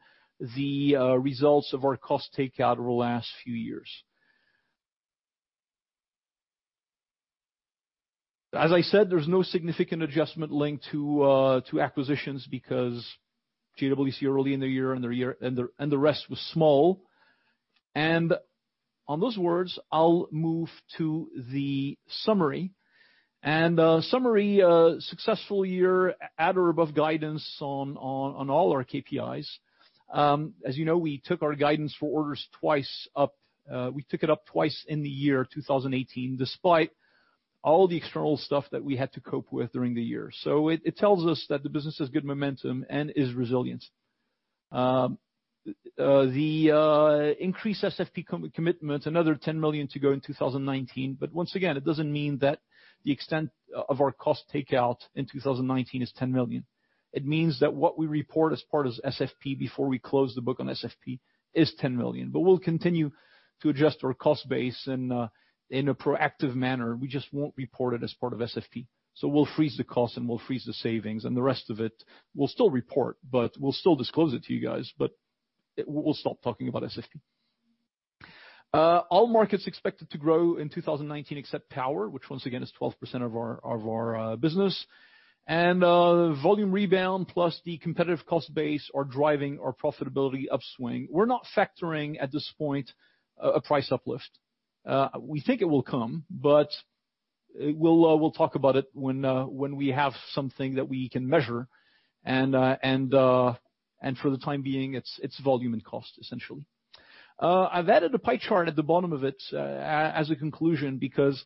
the results of our cost takeout over the last few years. As I said, there's no significant adjustment linked to acquisitions because JWC early in the year, and the rest was small. On those words, I'll move to the summary. Summary, successful year, at or above guidance on all our KPIs. As you know, we took our guidance for orders twice up. We took it up twice in the year 2018, despite all the external stuff that we had to cope with during the year. It tells us that the business has good momentum and is resilient. The increased SFP commitment, another 10 million to go in 2019. Once again, it doesn't mean that the extent of our cost takeout in 2019 is 10 million. It means that what we report as part of SFP before we close the book on SFP is 10 million. We'll continue to adjust our cost base and in a proactive manner, we just won't report it as part of SFP. We'll freeze the cost, and we'll freeze the savings, and the rest of it we'll still report, but we'll still disclose it to you guys, but we'll stop talking about SFP. All markets expected to grow in 2019 except power, which once again is 12% of our business. Volume rebound plus the competitive cost base are driving our profitability upswing. We're not factoring, at this point, a price uplift. We think it will come, but we'll talk about it when we have something that we can measure, and for the time being, it's volume and cost, essentially. I've added a pie chart at the bottom of it as a conclusion because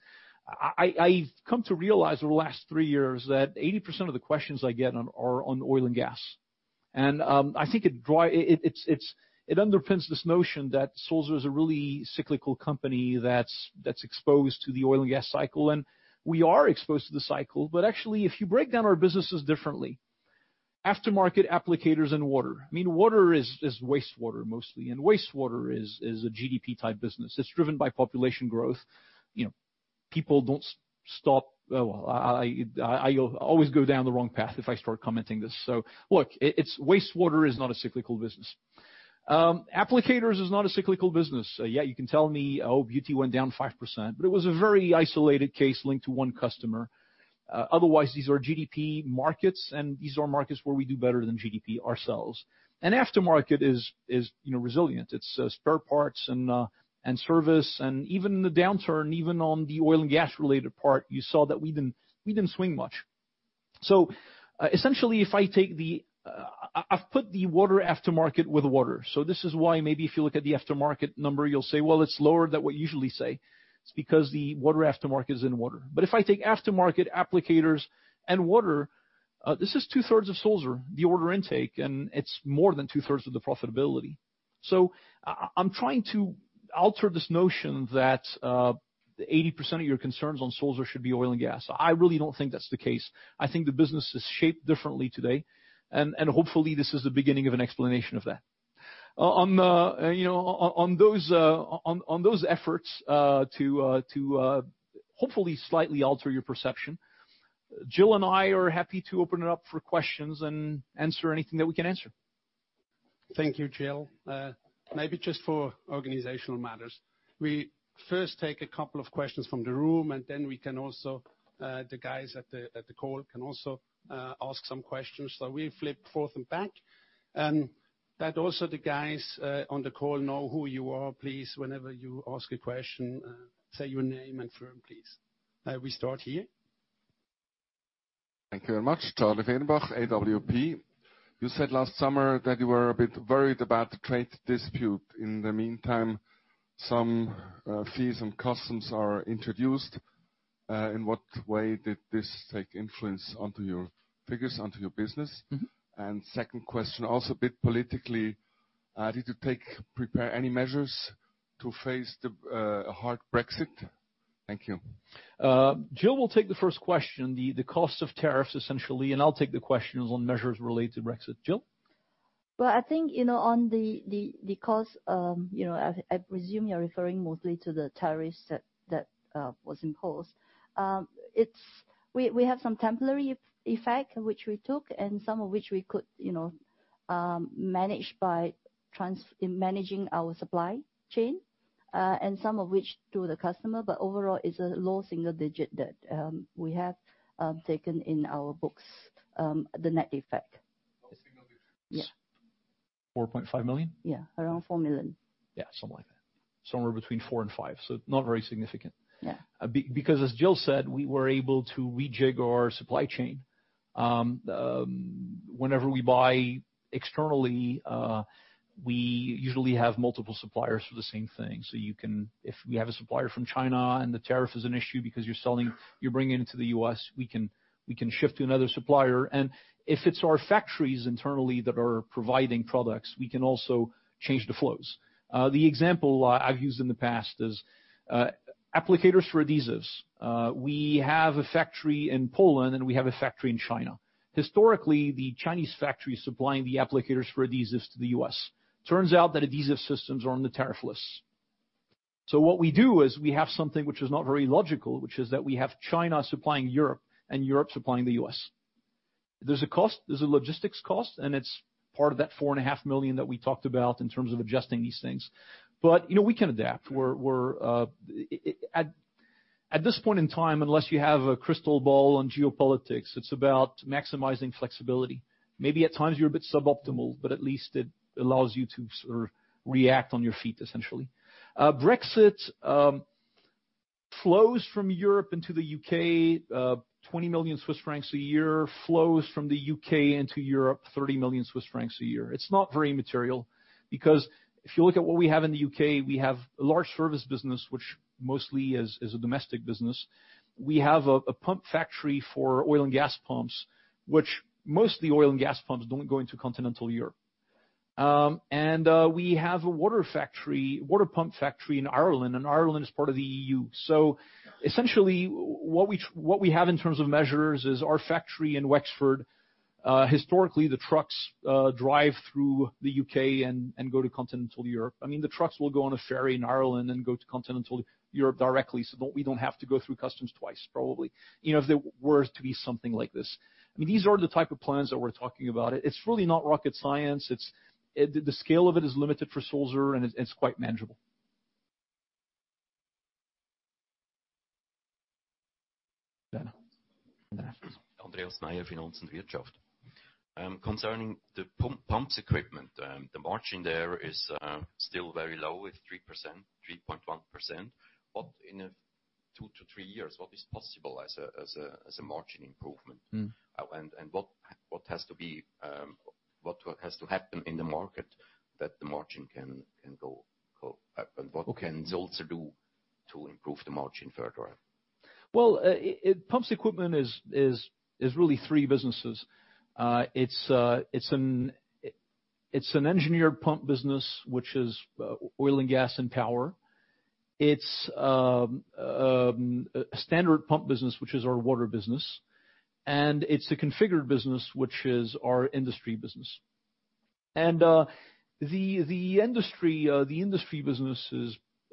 I've come to realize over the last three years that 80% of the questions I get are on oil and gas. I think it underpins this notion that Sulzer is a really cyclical company that's exposed to the oil and gas cycle. We are exposed to the cycle, but actually, if you break down our businesses differently, aftermarket, applicators, and water. Water is wastewater mostly, and wastewater is a GDP-type business. It's driven by population growth. I always go down the wrong path if I start commenting this. Look, wastewater is not a cyclical business. Applicators is not a cyclical business. Yeah, you can tell me, oh, beauty went down 5%, but it was a very isolated case linked to one customer. Otherwise, these are GDP markets, and these are markets where we do better than GDP ourselves. Aftermarket is resilient. It's spare parts and service, and even in the downturn, even on the oil and gas-related part, you saw that we didn't swing much. Essentially, I've put the water aftermarket with water. This is why maybe if you look at the aftermarket number, you'll say, "Well, it's lower than what you usually say." It's because the water aftermarket is in water. If I take aftermarket applicators and water, this is two-thirds of Sulzer, the order intake, and it's more than two-thirds of the profitability. I'm trying to alter this notion that 80% of your concerns on Sulzer should be oil and gas. I really don't think that's the case. I think the business is shaped differently today, and hopefully, this is the beginning of an explanation of that. On those efforts to hopefully slightly alter your perception, Jill and I are happy to open it up for questions and answer anything that we can answer. Thank you, Jill. Maybe just for organizational matters. We first take a couple of questions from the room, and then the guys at the call can also ask some questions. We flip forth and back. That also the guys on the call know who you are, please, whenever you ask a question, say your name and firm, please. We start here. Thank you very much. Charlie Fehrenbach, AWP. You said last summer that you were a bit worried about the trade dispute. In the meantime, some fees and customs are introduced. In what way did this take influence onto your figures, onto your business? Second question, also a bit politically, did you prepare any measures to face the hard Brexit? Thank you. Jill will take the first question, the cost of tariffs, essentially. I'll take the questions on measures related to Brexit. Jill? Well, I think, on the cost, I presume you're referring mostly to the tariffs that was imposed. We have some temporary effect, which we took, some of which we could manage by managing our supply chain, some of which to the customer, overall, it's a low single digit that we have taken in our books, the net effect. Low single digits. Yeah. 4.5 million? Yeah, around 4 million. Yeah, something like that. Somewhere between four and five, so not very significant. Yeah. As Jill said, we were able to rejig our supply chain. Whenever we buy externally, we usually have multiple suppliers for the same thing. If we have a supplier from China and the tariff is an issue because you're bringing it to the U.S., we can shift to another supplier. If it's our factories internally that are providing products, we can also change the flows. The example I've used in the past is applicators for adhesives. We have a factory in Poland, and we have a factory in China. Historically, the Chinese factory is supplying the applicators for adhesives to the U.S. Turns out that adhesive systems are on the tariff list. What we do is we have something which is not very logical, which is that we have China supplying Europe and Europe supplying the U.S. There's a cost, there's a logistics cost, and it's part of that 4.5 million that we talked about in terms of adjusting these things. We can adapt. At this point in time, unless you have a crystal ball on geopolitics, it's about maximizing flexibility. Maybe at times you're a bit suboptimal, but at least it allows you to sort of react on your feet, essentially. Brexit, flows from Europe into the U.K., 20 million Swiss francs a year, flows from the U.K. into Europe, 30 million Swiss francs a year. It's not very material because if you look at what we have in the U.K., we have a large service business, which mostly is a domestic business. We have a pump factory for oil and gas pumps, which most of the oil and gas pumps don't go into continental Europe. We have a water pump factory in Ireland, and Ireland is part of the EU. Essentially what we have in terms of measures is our factory in Wexford, historically, the trucks drive through the U.K. and go to continental Europe. The trucks will go on a ferry in Ireland and go to continental Europe directly, so we don't have to go through customs twice, probably. If there were to be something like this. These are the type of plans that we're talking about. It's really not rocket science. The scale of it is limited for Sulzer, and it's quite manageable. Andreas Meyer, Finanz und Wirtschaft. Concerning the Pumps Equipment, the margin there is still very low at 3.1%. In two to three years, what is possible as a margin improvement? What has to happen in the market that the margin can go up? Okay. What can Sulzer do to improve the margin further? Pumps Equipment is really three businesses. It is an engineered pump business, which is oil and gas and power. It is a standard pump business, which is our water business. It is the configured business, which is our industry business. The industry business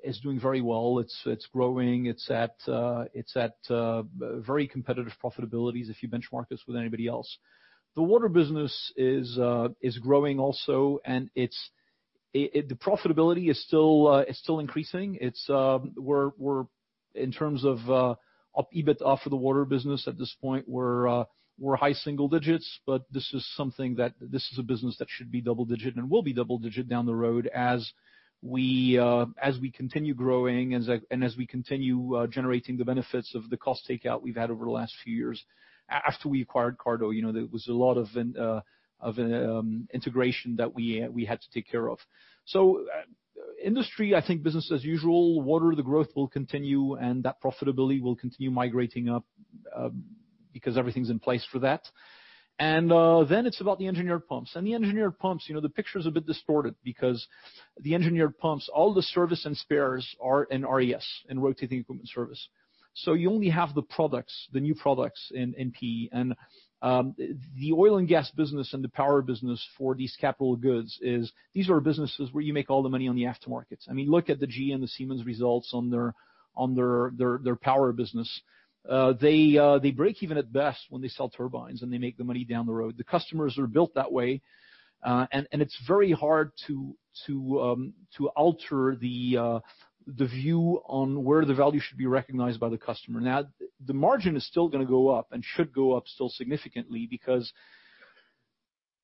is doing very well. It is growing. It is at very competitive profitabilities if you benchmark us with anybody else. The water business is growing also, and the profitability is still increasing. In terms of EBIT for the water business at this point, we are high single digits, but this is a business that should be double digit and will be double digit down the road as we continue growing and as we continue generating the benefits of the cost takeout we have had over the last few years. After we acquired Cardo, there was a lot of integration that we had to take care of. Industry, I think business as usual. Water, the growth will continue, and that profitability will continue migrating up, because everything is in place for that. Then it is about the engineered pumps. The engineered pumps, the picture is a bit distorted because the engineered pumps, all the service and spares are in RES, in Rotating Equipment Services. You only have the products, the new products in PE. The oil and gas business and the power business for these capital goods is, these are businesses where you make all the money on the aftermarket. Look at the GE and the Siemens results on their power business. They break even at best when they sell turbines, and they make the money down the road. The customers are built that way, and it is very hard to alter the view on where the value should be recognized by the customer. Now, the margin is still going to go up and should go up still significantly because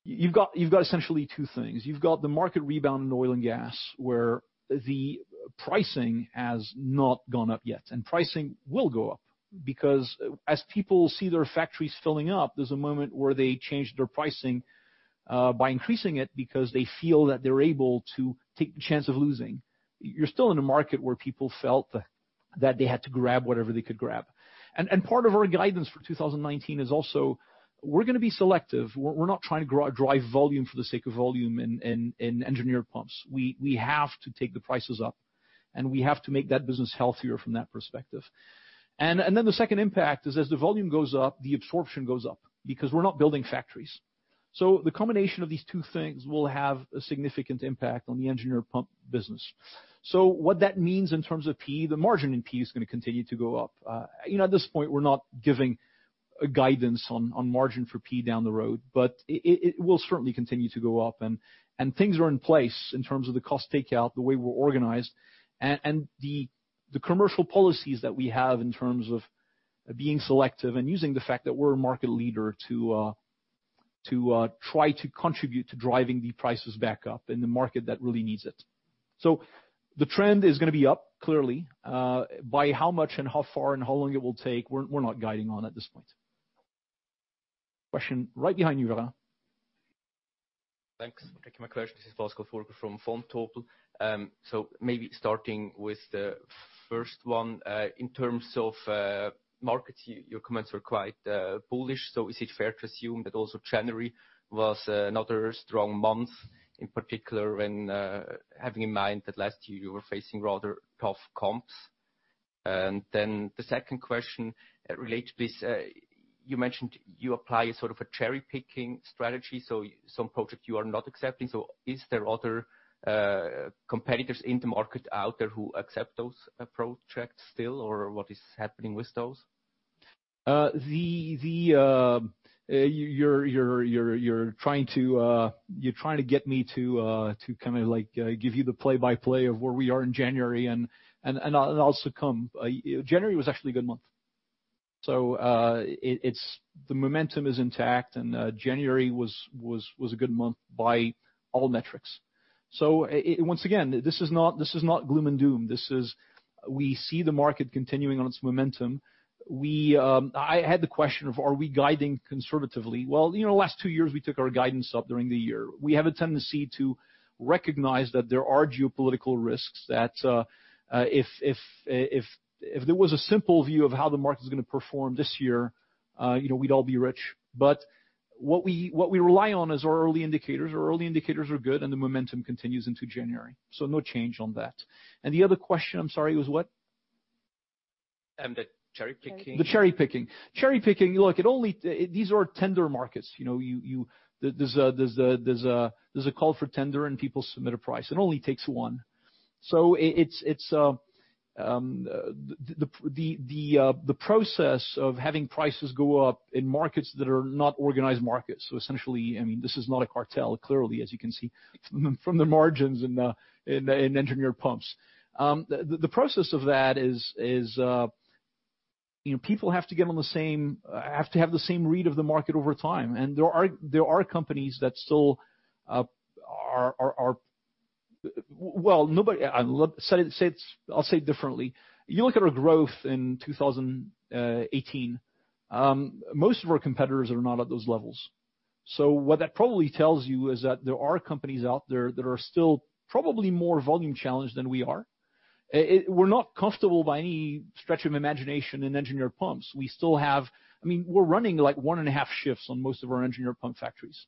you've got essentially two things. You've got the market rebound in oil and gas, where the pricing has not gone up yet. Pricing will go up, because as people see their factories filling up, there's a moment where they change their pricing by increasing it, because they feel that they're able to take the chance of losing. You're still in a market where people felt that they had to grab whatever they could grab. Part of our guidance for 2019 is also, we're going to be selective. We're not trying to drive volume for the sake of volume in engineered pumps. We have to take the prices up, and we have to make that business healthier from that perspective. Then the second impact is as the volume goes up, the absorption goes up, because we're not building factories. The combination of these two things will have a significant impact on the engineered pump business. What that means in terms of P, the margin in P is going to continue to go up. At this point, we're not giving guidance on margin for P down the road, but it will certainly continue to go up and things are in place in terms of the cost takeout, the way we're organized, and the commercial policies that we have in terms of being selective and using the fact that we're a market leader to try to contribute to driving the prices back up in the market that really needs it. The trend is going to be up, clearly. By how much and how far and how long it will take, we're not guiding on at this point. Question right behind you, Vera. Thanks. Thank you. This is Patrick Rafaisz from Vontobel. Maybe starting with the first one. In terms of markets, your comments were quite bullish. Is it fair to assume that also January was another strong month, in particular when having in mind that last year you were facing rather tough comps? Then the second question related to this, you mentioned you apply a cherry-picking strategy, so some project you are not accepting. Is there other competitors in the market out there who accept those projects still, or what is happening with those? You're trying to get me to give you the play-by-play of where we are in January and I'll succumb. January was actually a good month. The momentum is intact. January was a good month by all metrics. Once again, this is not gloom and doom. We see the market continuing on its momentum. I had the question of are we guiding conservatively? Well, the last two years, we took our guidance up during the year. We have a tendency to recognize that there are geopolitical risks that if there was a simple view of how the market is going to perform this year, we'd all be rich. What we rely on is our early indicators. Our early indicators are good, and the momentum continues into January. No change on that. The other question, I'm sorry, was what? The cherry picking. The cherry picking. Cherry picking, look, these are tender markets. There's a call for tender and people submit a price. It only takes one. It's the process of having prices go up in markets that are not organized markets. Essentially, this is not a cartel, clearly, as you can see from the margins in engineered pumps. The process of that is people have to have the same read of the market over time. There are companies that still. Well, I'll say it differently. You look at our growth in 2018. Most of our competitors are not at those levels. What that probably tells you is that there are companies out there that are still probably more volume challenged than we are. We're not comfortable by any stretch of imagination in engineered pumps. We're running one and a half shifts on most of our engineered pump factories.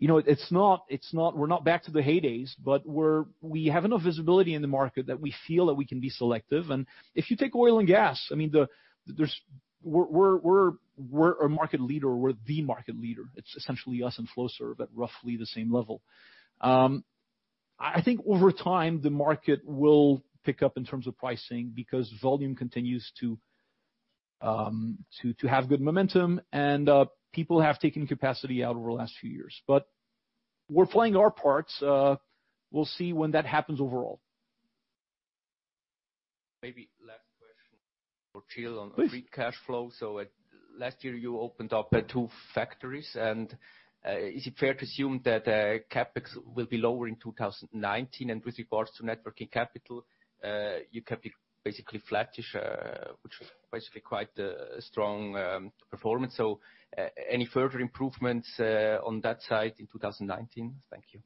We're not back to the heydays, but we have enough visibility in the market that we feel that we can be selective. If you take oil and gas, we're a market leader. We're the market leader. It's essentially us and Flowserve at roughly the same level. I think over time, the market will pick up in terms of pricing because volume continues to have good momentum and people have taken capacity out over the last few years. We're playing our parts. We'll see when that happens overall. Maybe last question for Jill on free cash flow. Last year, you opened up two factories, is it fair to assume that CapEx will be lower in 2019? With regards to net working capital, you kept it basically flattish, which was basically quite a strong performance. Any further improvements on that side in 2019? Thank you.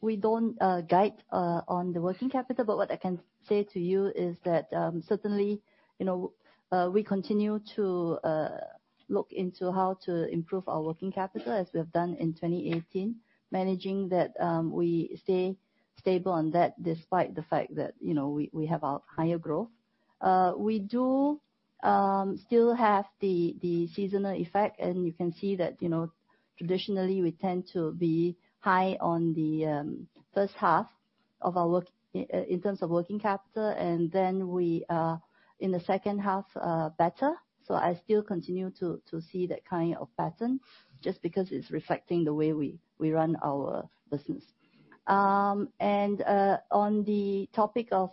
We don't guide on the working capital, what I can say to you is that certainly, we continue to look into how to improve our working capital as we have done in 2018, managing that we stay stable on that despite the fact that we have a higher growth. We do still have the seasonal effect, you can see that traditionally, we tend to be high on the first half in terms of working capital, then we are in the second half better. I still continue to see that kind of pattern just because it's reflecting the way we run our business. On the topic of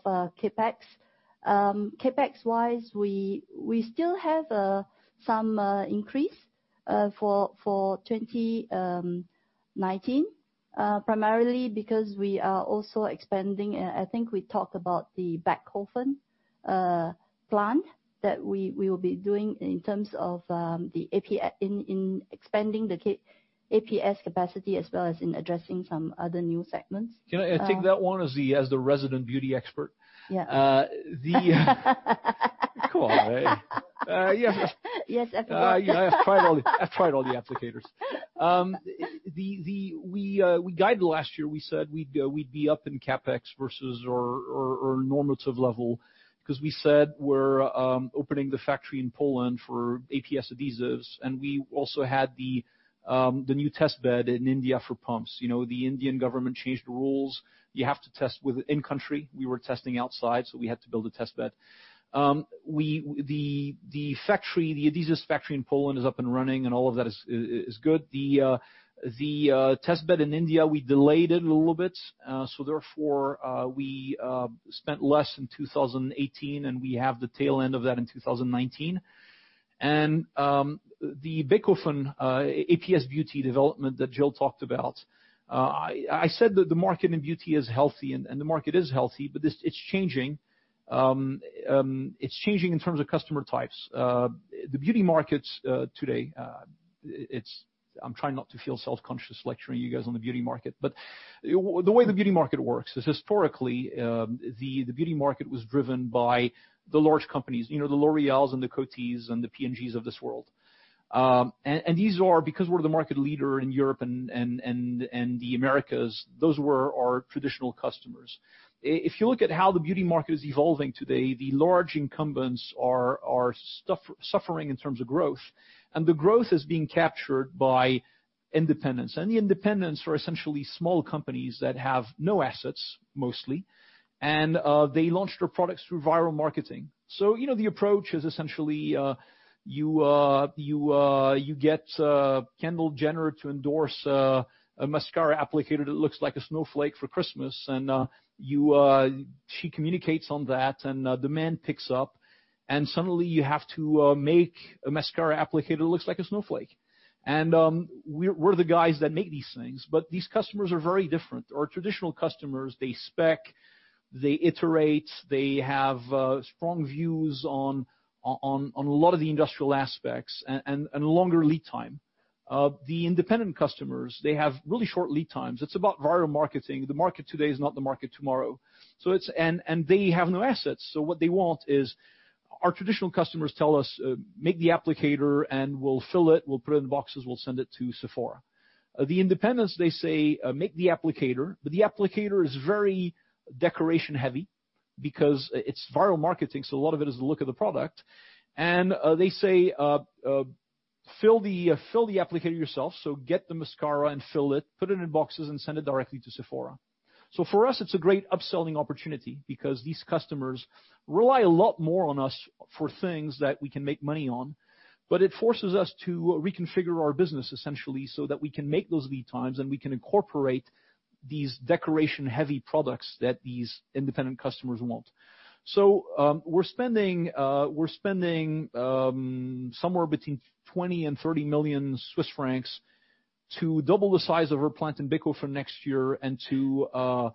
CapEx-wise, we still have some increase for 2019, primarily because we are also expanding. I think we talked about the Bechhofen plant that we will be doing in terms of expanding the APS capacity as well as in addressing some other new segments. Can I take that one as the resident beauty expert? Yeah. Come on. Yes, everyone. I've tried all the applicators. We guided last year, we said we'd be up in CapEx versus our normative level because we said we're opening the factory in Poland for APS adhesives. We also had the new test bed in India for pumps. The Indian government changed the rules. You have to test within country. We were testing outside. We had to build a test bed. The adhesives factory in Poland is up and running. All of that is good. The test bed in India, we delayed it a little bit. Therefore, we spent less in 2018, and we have the tail end of that in 2019. The Bechhofen APS beauty development that Jill talked about, I said that the market in beauty is healthy, and the market is healthy, but it's changing. It's changing in terms of customer types. The beauty markets today, I'm trying not to feel self-conscious lecturing you guys on the beauty market. The way the beauty market works is historically, the beauty market was driven by the large companies, the L'Oréals and the Cotys and the P&Gs of this world. Because we're the market leader in Europe and the Americas, those were our traditional customers. If you look at how the beauty market is evolving today, the large incumbents are suffering in terms of growth. The growth is being captured by independents. The independents are essentially small companies that have no assets, mostly. They launch their products through viral marketing. The approach is essentially, you get Kendall Jenner to endorse a mascara applicator that looks like a snowflake for Christmas. She communicates on that, demand picks up, suddenly you have to make a mascara applicator that looks like a snowflake. We're the guys that make these things, but these customers are very different. Our traditional customers, they spec, they iterate, they have strong views on a lot of the industrial aspects and a longer lead time. The independent customers, they have really short lead times. It's about viral marketing. The market today is not the market tomorrow. They have no assets, so what they want is our traditional customers tell us, "Make the applicator, and we'll fill it, we'll put it in boxes, we'll send it to Sephora." The independents, they say, "Make the applicator." The applicator is very decoration-heavy because it's viral marketing, so a lot of it is the look of the product. They say, "Fill the applicator yourself. Get the mascara and fill it, put it in boxes, and send it directly to Sephora." For us, it's a great upselling opportunity because these customers rely a lot more on us for things that we can make money on. It forces us to reconfigure our business essentially so that we can make those lead times and we can incorporate these decoration-heavy products that these independent customers want. We're spending somewhere between 20 million and 30 million Swiss francs to double the size of our plant in Bechhofen next year and to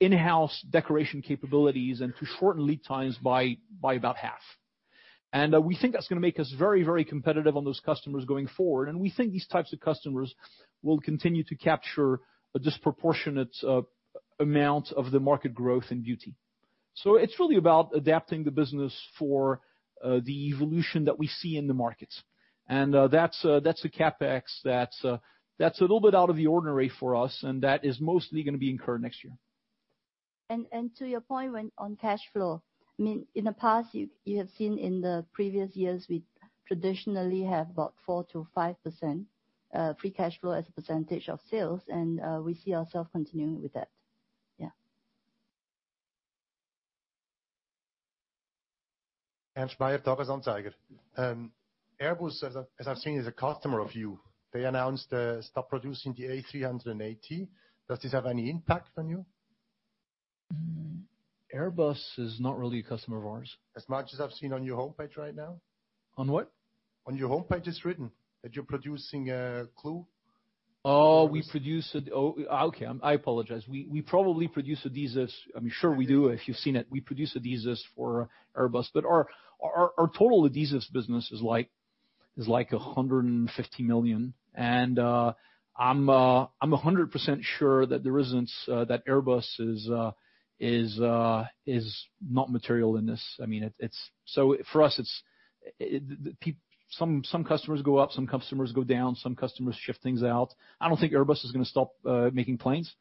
in-house decoration capabilities and to shorten lead times by about half. We think that's going to make us very competitive on those customers going forward, we think these types of customers will continue to capture a disproportionate amount of the market growth in beauty. It's really about adapting the business for the evolution that we see in the markets. That's a CapEx that's a little bit out of the ordinary for us, that is mostly going to be incurred next year. To your point on cash flow, in the past, you have seen in the previous years, we traditionally have about 4%-5% free cash flow as a percentage of sales, we see ourself continuing with that. Yeah. Ernst Meier, Tages-Anzeiger. Airbus, as I've seen, is a customer of you. They announced stop producing the A380. Does this have any impact on you? Airbus is not really a customer of ours. As much as I've seen on your homepage right now? On what? On your homepage, it's written that you're producing glue. Oh, okay. I apologize. We probably produce adhesives. I'm sure we do if you've seen it. We produce adhesives for Airbus. Our total adhesives business is like 150 million, and I'm 100% sure that Airbus is not material in this. For us, some customers go up, some customers go down, some customers shift things out. I don't think Airbus is going to stop making planes.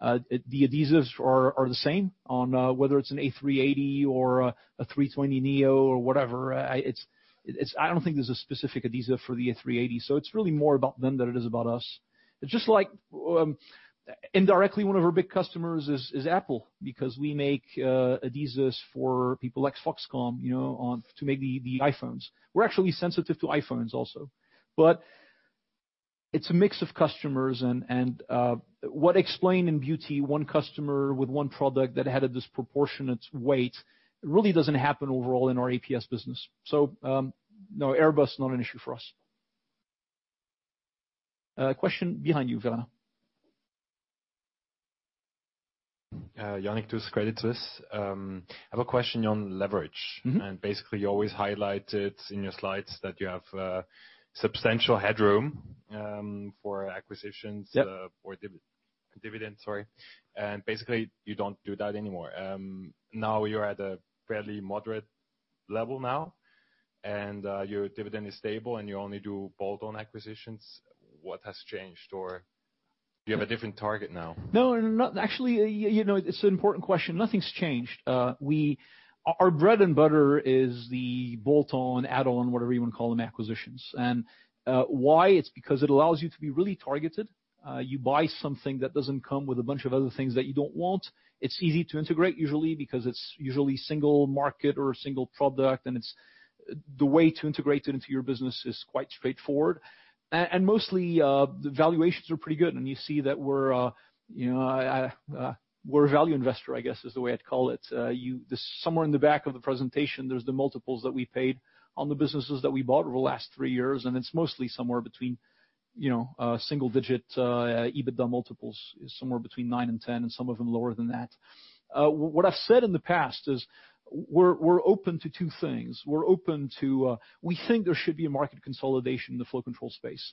The adhesives are the same on whether it's an A380 or an A320neo or whatever. I don't think there's a specific adhesive for the A380. It's really more about them than it is about us. It's just like indirectly, one of our big customers is Apple because we make adhesives for people like Foxconn to make the iPhones. We're actually sensitive to iPhones also. It's a mix of customers and what explained in beauty one customer with one product that had a disproportionate weight really doesn't happen overall in our APS business. No, Airbus is not an issue for us. Question behind you, Villena. Yannick, Credit Suisse. I have a question on leverage. You always highlight it in your slides that you have substantial headroom for acquisitions- Yep for dividend, sorry. Basically, you don't do that anymore. Now you're at a fairly moderate level now, and your dividend is stable, and you only do bolt-on acquisitions. What has changed, or do you have a different target now? No, actually, it's an important question. Nothing's changed. Our bread and butter is the bolt-on, add-on, whatever you want to call them, acquisitions. Why? It's because it allows you to be really targeted. You buy something that doesn't come with a bunch of other things that you don't want. It's easy to integrate usually because it's usually single market or a single product, and the way to integrate it into your business is quite straightforward. Mostly, the valuations are pretty good, and you see that we're a value investor, I guess, is the way I'd call it. Somewhere in the back of the presentation, there's the multiples that we paid on the businesses that we bought over the last three years, and it's mostly somewhere between single-digit EBITDA multiples, somewhere between nine and 10, and some of them lower than that. What I've said in the past is we're open to two things. We're open to, we think there should be a market consolidation in the flow control space.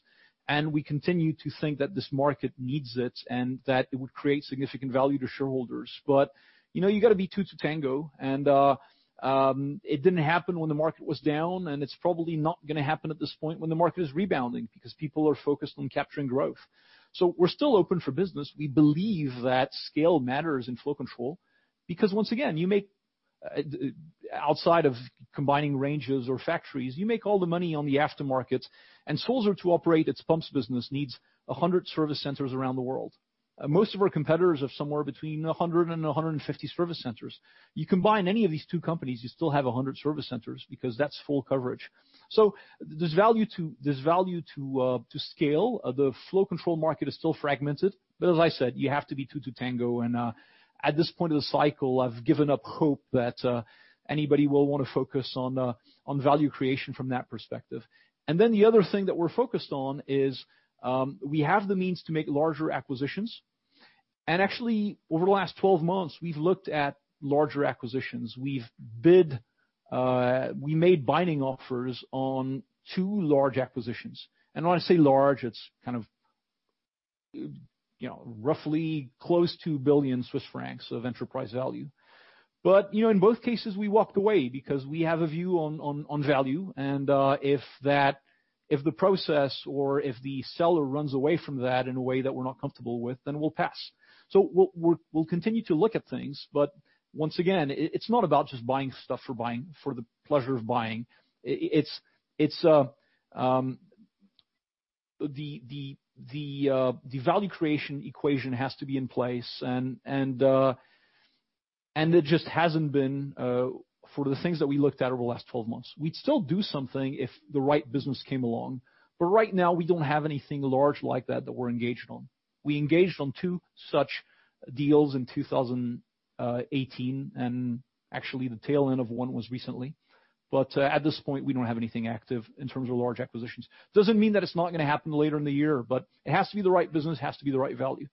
We continue to think that this market needs it, and that it would create significant value to shareholders. You got to be two to tango, and it didn't happen when the market was down, and it's probably not going to happen at this point when the market is rebounding because people are focused on capturing growth. We're still open for business. We believe that scale matters in flow control because, once again, outside of combining ranges or factories, you make all the money on the aftermarket. Sulzer to operate its pumps business needs 100 service centers around the world. Most of our competitors have somewhere between 100 and 150 service centers. You combine any of these two companies, you still have 100 service centers because that's full coverage. There's value to scale. The flow control market is still fragmented, as I said, you have to be two to tango, and at this point in the cycle, I've given up hope that anybody will want to focus on value creation from that perspective. The other thing that we're focused on is we have the means to make larger acquisitions. Actually, over the last 12 months, we've looked at larger acquisitions. We've bid. We made binding offers on two large acquisitions. When I say large, it's kind of roughly close to 1 billion Swiss francs of enterprise value. In both cases, we walked away because we have a view on value, if the process or if the seller runs away from that in a way that we're not comfortable with, then we'll pass. We'll continue to look at things, once again, it's not about just buying stuff for the pleasure of buying. The value creation equation has to be in place, it just hasn't been for the things that we looked at over the last 12 months. We'd still do something if the right business came along, right now, we don't have anything large like that that we're engaged on. We engaged on two such deals in 2018, actually, the tail end of one was recently. At this point, we don't have anything active in terms of large acquisitions. Doesn't mean that it's not going to happen later in the year, it has to be the right business, it has to be the right value.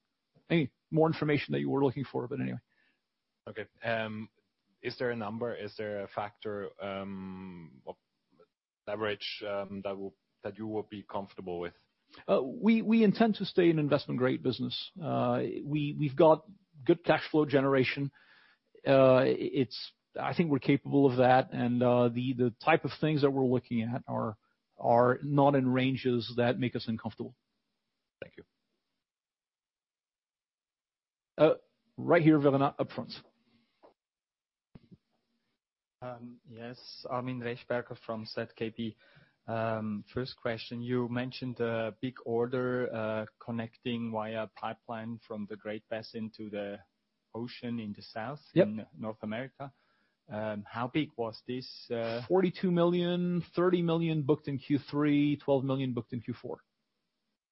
Anyway, more information that you were looking for, anyway. Okay. Is there a number, is there a factor of leverage that you would be comfortable with? We intend to stay an investment-grade business. We've got good cash flow generation. I think we're capable of that, and the type of things that we're looking at are not in ranges that make us uncomfortable. Thank you. Right here, Villena, up front. Yes. Armin Rechberger from ZKB. First question, you mentioned a big order connecting via pipeline from the Great Basin to the ocean in the south- Yep in North America. How big was this? $42 million, $30 million booked in Q3, $12 million booked in Q4.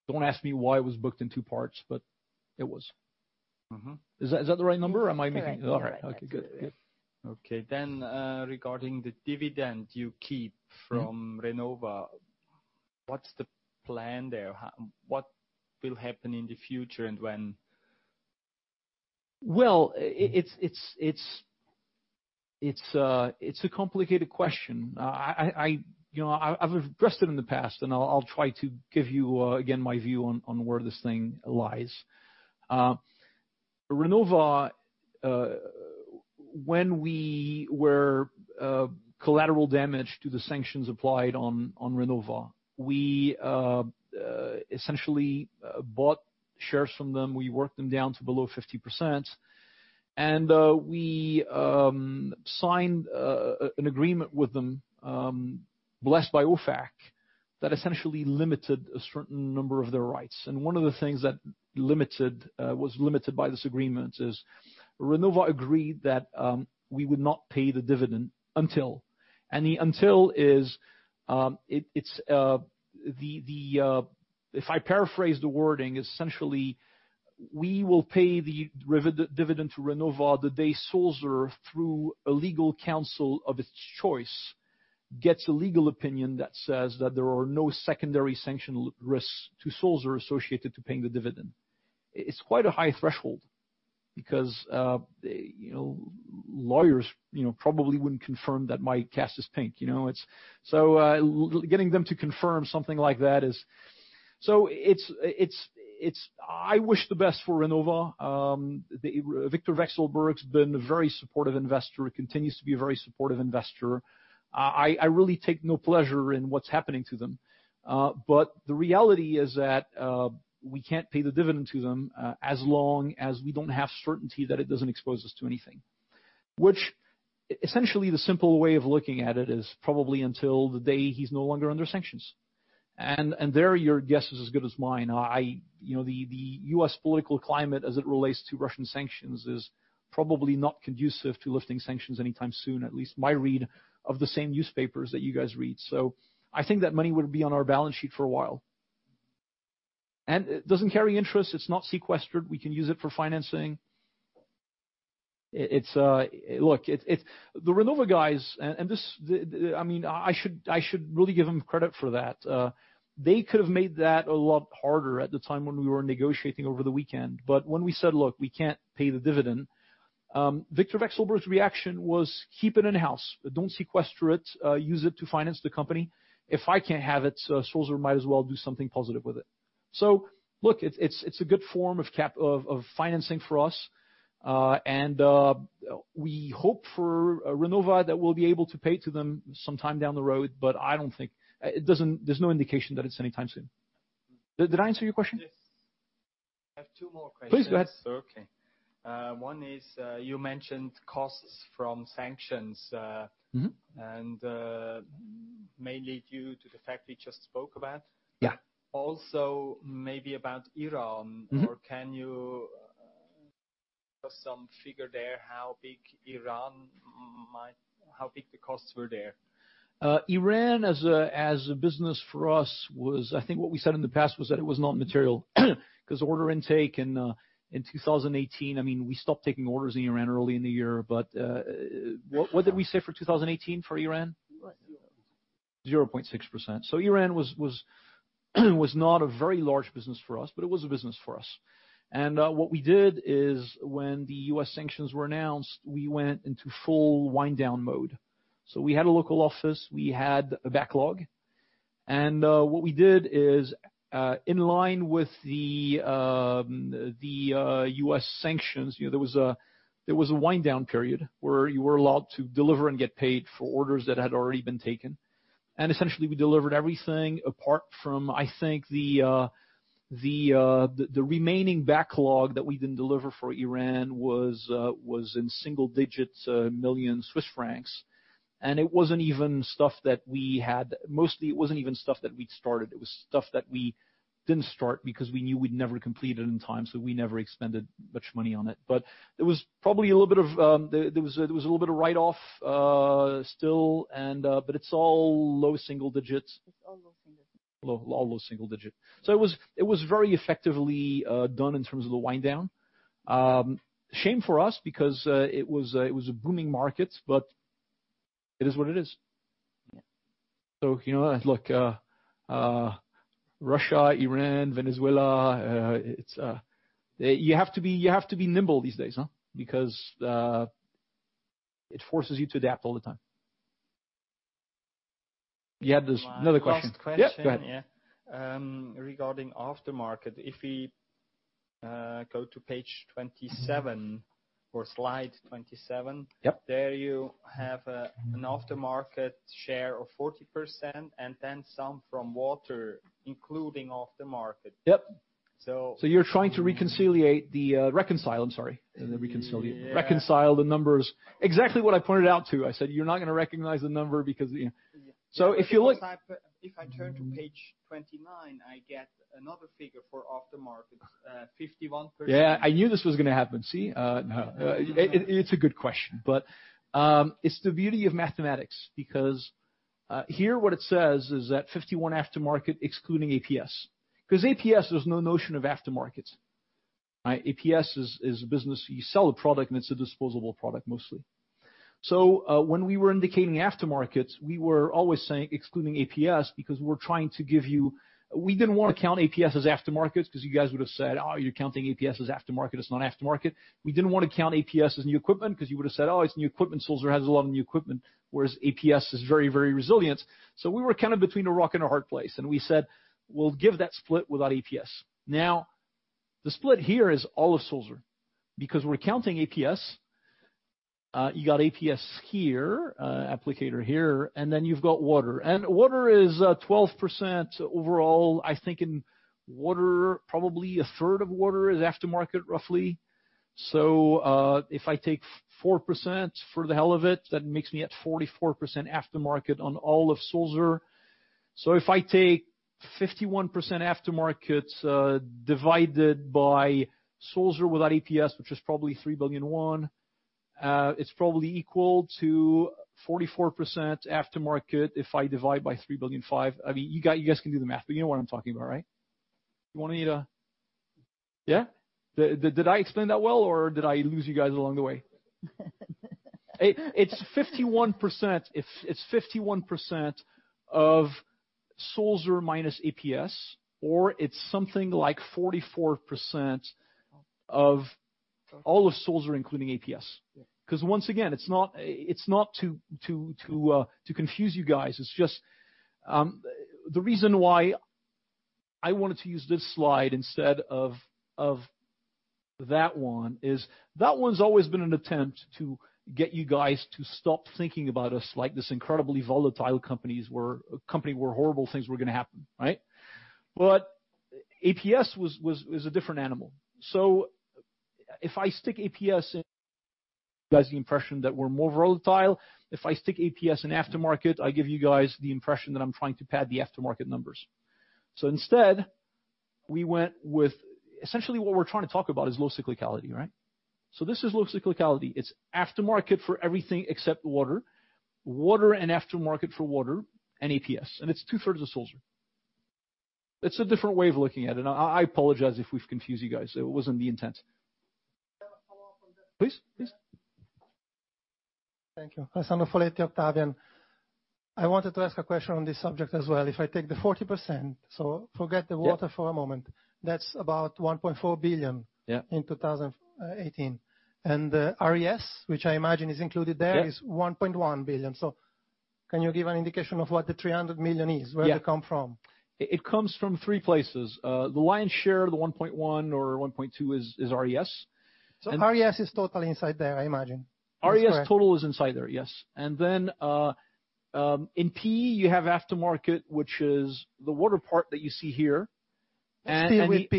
Don't ask me why it was booked in two parts, it was. Is that the right number? Yes, correct. All right. Okay, good. Okay. Regarding the dividend you keep from Renova, what's the plan there? What will happen in the future, and when? It's a complicated question. I've addressed it in the past, and I'll try to give you again my view on where this thing lies. Renova, when we were collateral damage to the sanctions applied on Renova, we essentially bought shares from them. We worked them down to below 50%, and we signed an agreement with them, blessed by OFAC, that essentially limited a certain number of their rights. One of the things that was limited by this agreement is Renova agreed that we would not pay the dividend until. The until is, if I paraphrase the wording, essentially we will pay the dividend to Renova the day Sulzer, through a legal counsel of its choice, gets a legal opinion that says that there are no secondary sanction risks to Sulzer associated to paying the dividend. It's quite a high threshold because lawyers probably wouldn't confirm that my cast is pink. I wish the best for Renova. Viktor Vekselberg's been a very supportive investor, continues to be a very supportive investor. I really take no pleasure in what's happening to them. The reality is that we can't pay the dividend to them, as long as we don't have certainty that it doesn't expose us to anything. Which essentially, the simple way of looking at it is probably until the day he's no longer under sanctions. There, your guess is as good as mine. The U.S. political climate as it relates to Russian sanctions is probably not conducive to lifting sanctions anytime soon, at least my read of the same newspapers that you guys read. I think that money would be on our balance sheet for a while. It doesn't carry interest. It's not sequestered. We can use it for financing. Look, the Renova guys, I should really give them credit for that. They could've made that a lot harder at the time when we were negotiating over the weekend. When we said, "Look, we can't pay the dividend," Viktor Vekselberg's reaction was keep it in-house. Don't sequester it. Use it to finance the company. If I can't have it, Sulzer might as well do something positive with it. Look, it's a good form of financing for us. We hope for Renova that we'll be able to pay to them sometime down the road, but there's no indication that it's anytime soon. Did I answer your question? Yes. I have two more questions. Please go ahead. One is, you mentioned costs from sanctions- mainly due to the fact we just spoke about. Yeah. Maybe about Iran. Can you give us some figure there, how big Iran, how big the costs were there? Iran as a business for us was, I think what we said in the past was that it was not material because order intake in 2018, we stopped taking orders in Iran early in the year. What did we say for 2018 for Iran? 0.6. 0.6%. Iran was not a very large business for us, it was a business for us. What we did is when the U.S. sanctions were announced, we went into full wind-down mode. We had a local office, we had a backlog. What we did is, in line with the U.S. sanctions, there was a wind-down period where you were allowed to deliver and get paid for orders that had already been taken. Essentially, we delivered everything apart from, I think, the remaining backlog that we didn't deliver for Iran was in single digits 7 million Swiss francs. Mostly, it wasn't even stuff that we'd started. It was stuff that we didn't start because we knew we'd never complete it in time, we never expended much money on it. There was a little bit of write-off still, it's all low single digits. It's all low single digits. All low single digit. It was very effectively done in terms of the wind down. Shame for us because it was a booming market, it is what it is. Yeah. Look, Russia, Iran, Venezuela, you have to be nimble these days, huh? Because it forces you to adapt all the time. You had another question. Last question. Yeah, go ahead. Yeah. Regarding aftermarket, if we go to page 27 or slide 27. Yep there you have an aftermarket share of 40% and then some from water, including aftermarket. Yep. So- You're trying to reconcile the numbers. Exactly what I pointed out too. I said, "You're not going to recognize the number because. If I turn to page 29, I get another figure for aftermarket, 51%. Yeah. I knew this was going to happen. See? It's a good question, but it's the beauty of mathematics because here what it says is that 51 aftermarket excluding APS. APS, there's no notion of aftermarket. Right? APS is a business. You sell a product, and it's a disposable product mostly. When we were indicating aftermarket, we were always saying excluding APS because we're trying to give you. We didn't want to count APS as aftermarket because you guys would've said, "Oh, you're counting APS as aftermarket. It's not aftermarket." We didn't want to count APS as new equipment because you would've said, "Oh, it's new equipment. Sulzer has a lot of new equipment," whereas APS is very resilient. We were kind of between a rock and a hard place, and we said, "We'll give that split without APS." The split here is all of Sulzer because we're counting APS. You got APS here, applicator here, and then you've got water. Water is 12% overall. I think in water, probably a third of water is aftermarket, roughly. If I take 4% for the hell of it, that makes me at 44% aftermarket on all of Sulzer. If I take 51% aftermarket divided by Sulzer without APS, which is probably CHF 3 billion. It's probably equal to 44% aftermarket if I divide by 3.5 billion. You guys can do the math, but you know what I'm talking about, right? Did I explain that well, or did I lose you guys along the way? It's 51% of Sulzer minus APS, or it's something like 44% of all of Sulzer, including APS. Once again, it's not to confuse you guys. The reason why I wanted to use this slide instead of that one is that one's always been an attempt to get you guys to stop thinking about us like this incredibly volatile company where horrible things were going to happen. APS was a different animal. If I stick APS in, it gives you guys the impression that we're more volatile. If I stick APS in aftermarket, I give you guys the impression that I'm trying to pad the aftermarket numbers. Instead, essentially what we're trying to talk about is low cyclicality. This is low cyclicality. It's aftermarket for everything except water. Water and aftermarket for water and APS, and it's two-thirds of Sulzer. It's a different way of looking at it. I apologize if we've confused you guys. It wasn't the intent. I have a follow-up on that. Please. Thank you. Alessandro Foletti, Octavian. I wanted to ask a question on this subject as well. If I take the 40%, forget the water for a moment. That's about 1.4 billion- Yeah in 2018. The RES, which I imagine is included there- Yeah is 1.1 billion. Can you give an indication of what the 300 million is? Yeah. Where did it come from? It comes from three places. The lion's share of the 1.1 or 1.2 is RES. RES is totally inside there, I imagine. RES total is inside there, yes. In P, you have aftermarket, which is the water part that you see here. What's P and EP?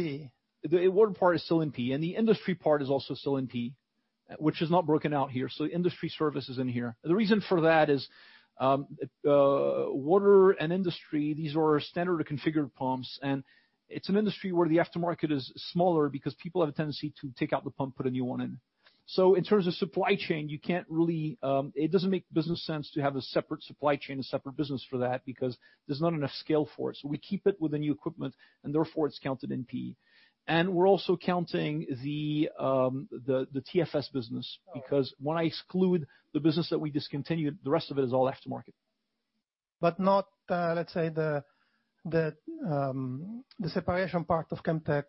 The water part is still in P, the industry part is also still in P, which is not broken out here. The industry service is in here. The reason for that is water and industry, these are standard configured pumps, and it's an industry where the aftermarket is smaller because people have a tendency to take out the pump, put a new one in. In terms of supply chain, it doesn't make business sense to have a separate supply chain, a separate business for that, because there's not enough scale for it. We keep it within new equipment, and therefore, it's counted in P. We're also counting the TFS business, because when I exclude the business that we discontinued, the rest of it is all aftermarket. Not, let's say, the separation part of Chemtech.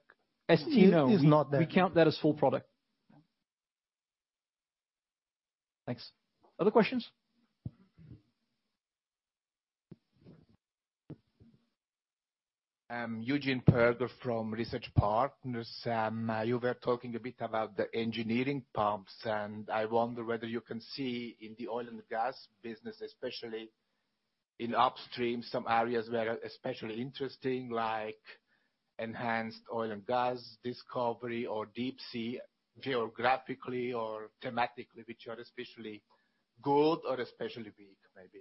ST, no. is not there. We count that as full product. Thanks. Other questions? Eugen Perger from Research Partners. I wonder whether you can see in the oil and gas business, especially in upstream, some areas where especially interesting like enhanced oil and gas discovery or deep sea, geographically or thematically, which are especially good or especially weak, maybe.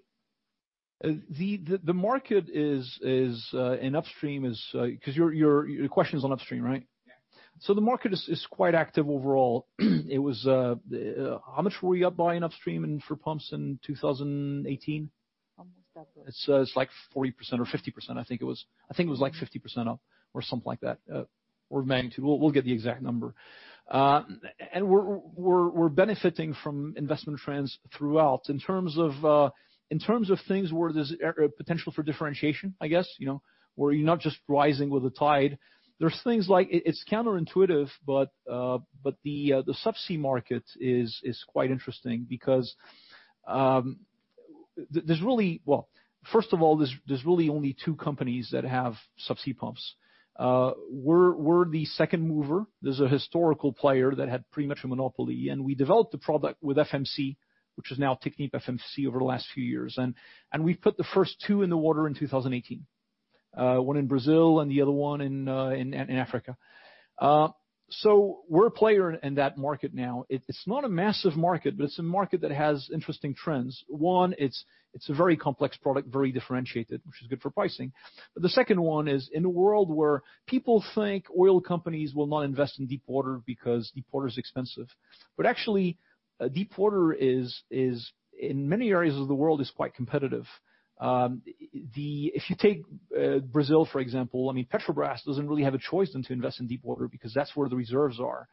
The market in upstream. Because your question is on upstream, right? Yeah. The market is quite active overall. How much were you up by in upstream for pumps in 2018? Almost double. It's like 40% or 50%, I think it was. I think it was like 50% up or something like that, or magnitude. We'll get the exact number. We're benefiting from investment trends throughout. In terms of things where there's potential for differentiation, I guess, where you're not just rising with the tide. It's counterintuitive, the subsea market is quite interesting because first of all, there's really only two companies that have subsea pumps. We're the second mover. There's a historical player that had pretty much a monopoly, we developed a product with FMC, which is now TechnipFMC over the last few years. We put the first two in the water in 2018. One in Brazil and the other one in Africa. We're a player in that market now. It's not a massive market, it's a market that has interesting trends. One, it's a very complex product, very differentiated, which is good for pricing. The second one is in a world where people think oil companies will not invest in deep water because deep water is expensive. Actually, deep water is, in many areas of the world, is quite competitive. If you take Brazil, for example, Petrobras doesn't really have a choice than to invest in deep water because that's where the reserves are.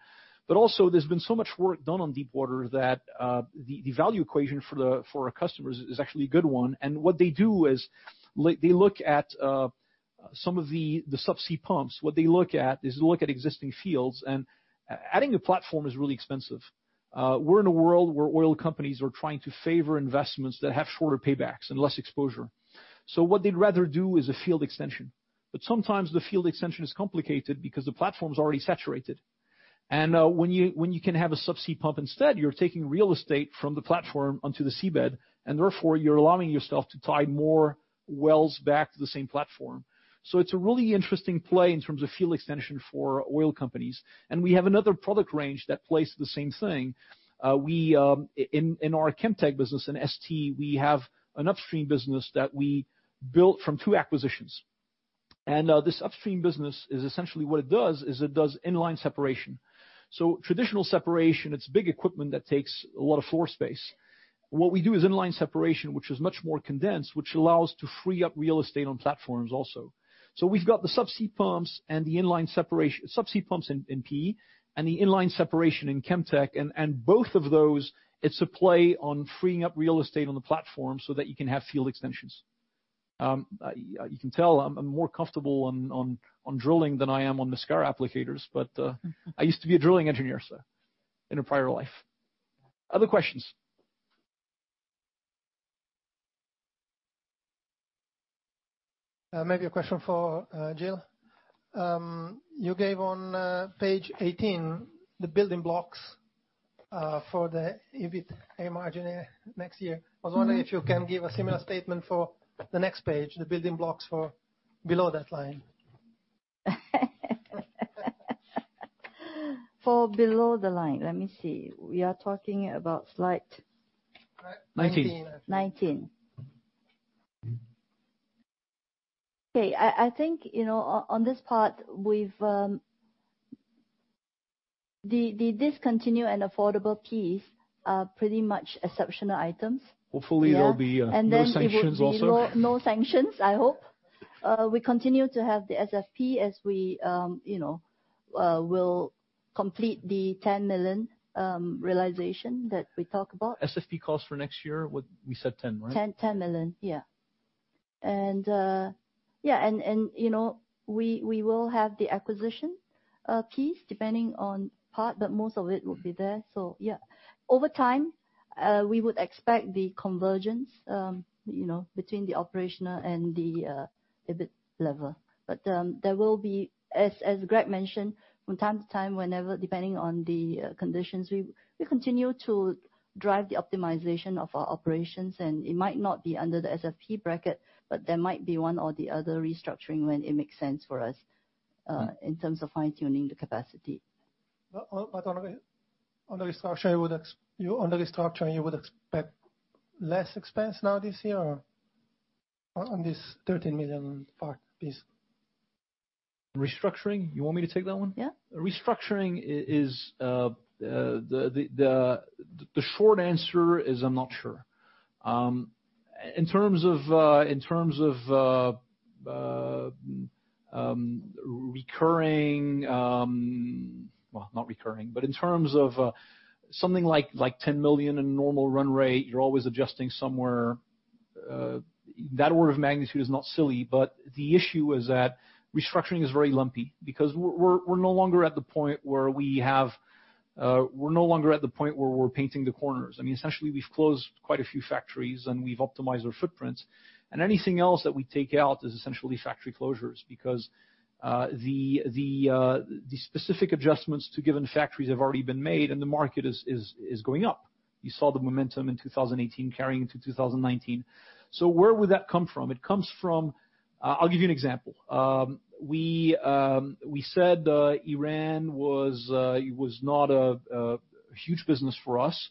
Also, there's been so much work done on deep water that the value equation for our customers is actually a good one. What they do is they look at some of the subsea pumps. What they look at is they look at existing fields, adding a platform is really expensive. We're in a world where oil companies are trying to favor investments that have shorter paybacks and less exposure. What they'd rather do is a field extension. Sometimes the field extension is complicated because the platform is already saturated. When you can have a subsea pump instead, you're taking real estate from the platform onto the seabed, therefore, you're allowing yourself to tie more wells back to the same platform. It's a really interesting play in terms of field extension for oil companies. We have another product range that plays the same thing. In our Chemtech business, in ST, we have an upstream business that we built from two acquisitions. This upstream business is essentially what it does is it does inline separation. Traditional separation, it's big equipment that takes a lot of floor space. What we do is inline separation, which is much more condensed, which allows to free up real estate on platforms also. We've got the subsea pumps and the inline separation, subsea pumps in PE and the inline separation in Chemtech. Both of those, it's a play on freeing up real estate on the platform so that you can have field extensions. You can tell I'm more comfortable on drilling than I am on the scar applicators, but I used to be a drilling engineer, in a prior life. Other questions? Maybe a question for Jill. You gave on page 18 the building blocks for the EBITA margin next year. I was wondering if you can give a similar statement for the next page, the building blocks for below that line. For below the line. Let me see. We are talking about slide 19 19. Okay. I think, on this part, the discontinue and affordable piece are pretty much exceptional items. Hopefully there'll be no sanctions also. It will be no sanctions, I hope. We continue to have the SFP as we'll complete the 10 million realization that we talk about. SFP calls for next year, what we said 10, right? 10 million. We will have the acquisition piece depending on part, but most of it will be there. Over time, we would expect the convergence between the operational and the EBIT level. There will be, as Greg mentioned, from time to time, whenever, depending on the conditions, we continue to drive the optimization of our operations and it might not be under the SFP bracket, but there might be one or the other restructuring when it makes sense for us, in terms of fine-tuning the capacity. On the restructure you would expect less expense now this year or on this 13 million piece? Restructuring? You want me to take that one? Yeah. Restructuring, the short answer is I'm not sure. In terms of recurring, not recurring, but in terms of something like 10 million in normal run rate, you're always adjusting somewhere. That order of magnitude is not silly, but the issue is that restructuring is very lumpy because we're no longer at the point where we're painting the corners. I mean, essentially we've closed quite a few factories and we've optimized our footprints, and anything else that we take out is essentially factory closures because the specific adjustments to given factories have already been made and the market is going up. You saw the momentum in 2018 carrying into 2019. Where would that come from? It comes from. I'll give you an example. We said Iran was not a huge business for us,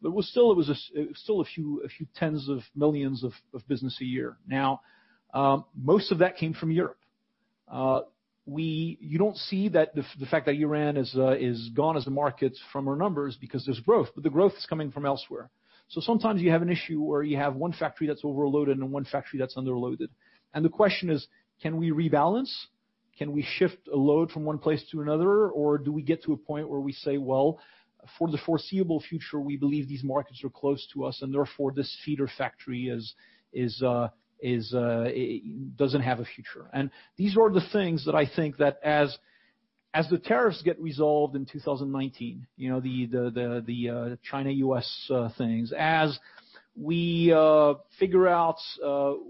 but it was still a few tens of millions of CHF of business a year. Most of that came from Europe. You don't see the fact that Iran is gone as a market from our numbers because there's growth, but the growth is coming from elsewhere. Sometimes you have an issue where you have one factory that's overloaded and one factory that's underloaded. The question is, can we rebalance? Can we shift a load from one place to another? Or do we get to a point where we say, "Well, for the foreseeable future, we believe these markets are close to us and therefore this feeder factory doesn't have a future." These are the things that I think that as the tariffs get resolved in 2019, the China-U.S. things. As we figure out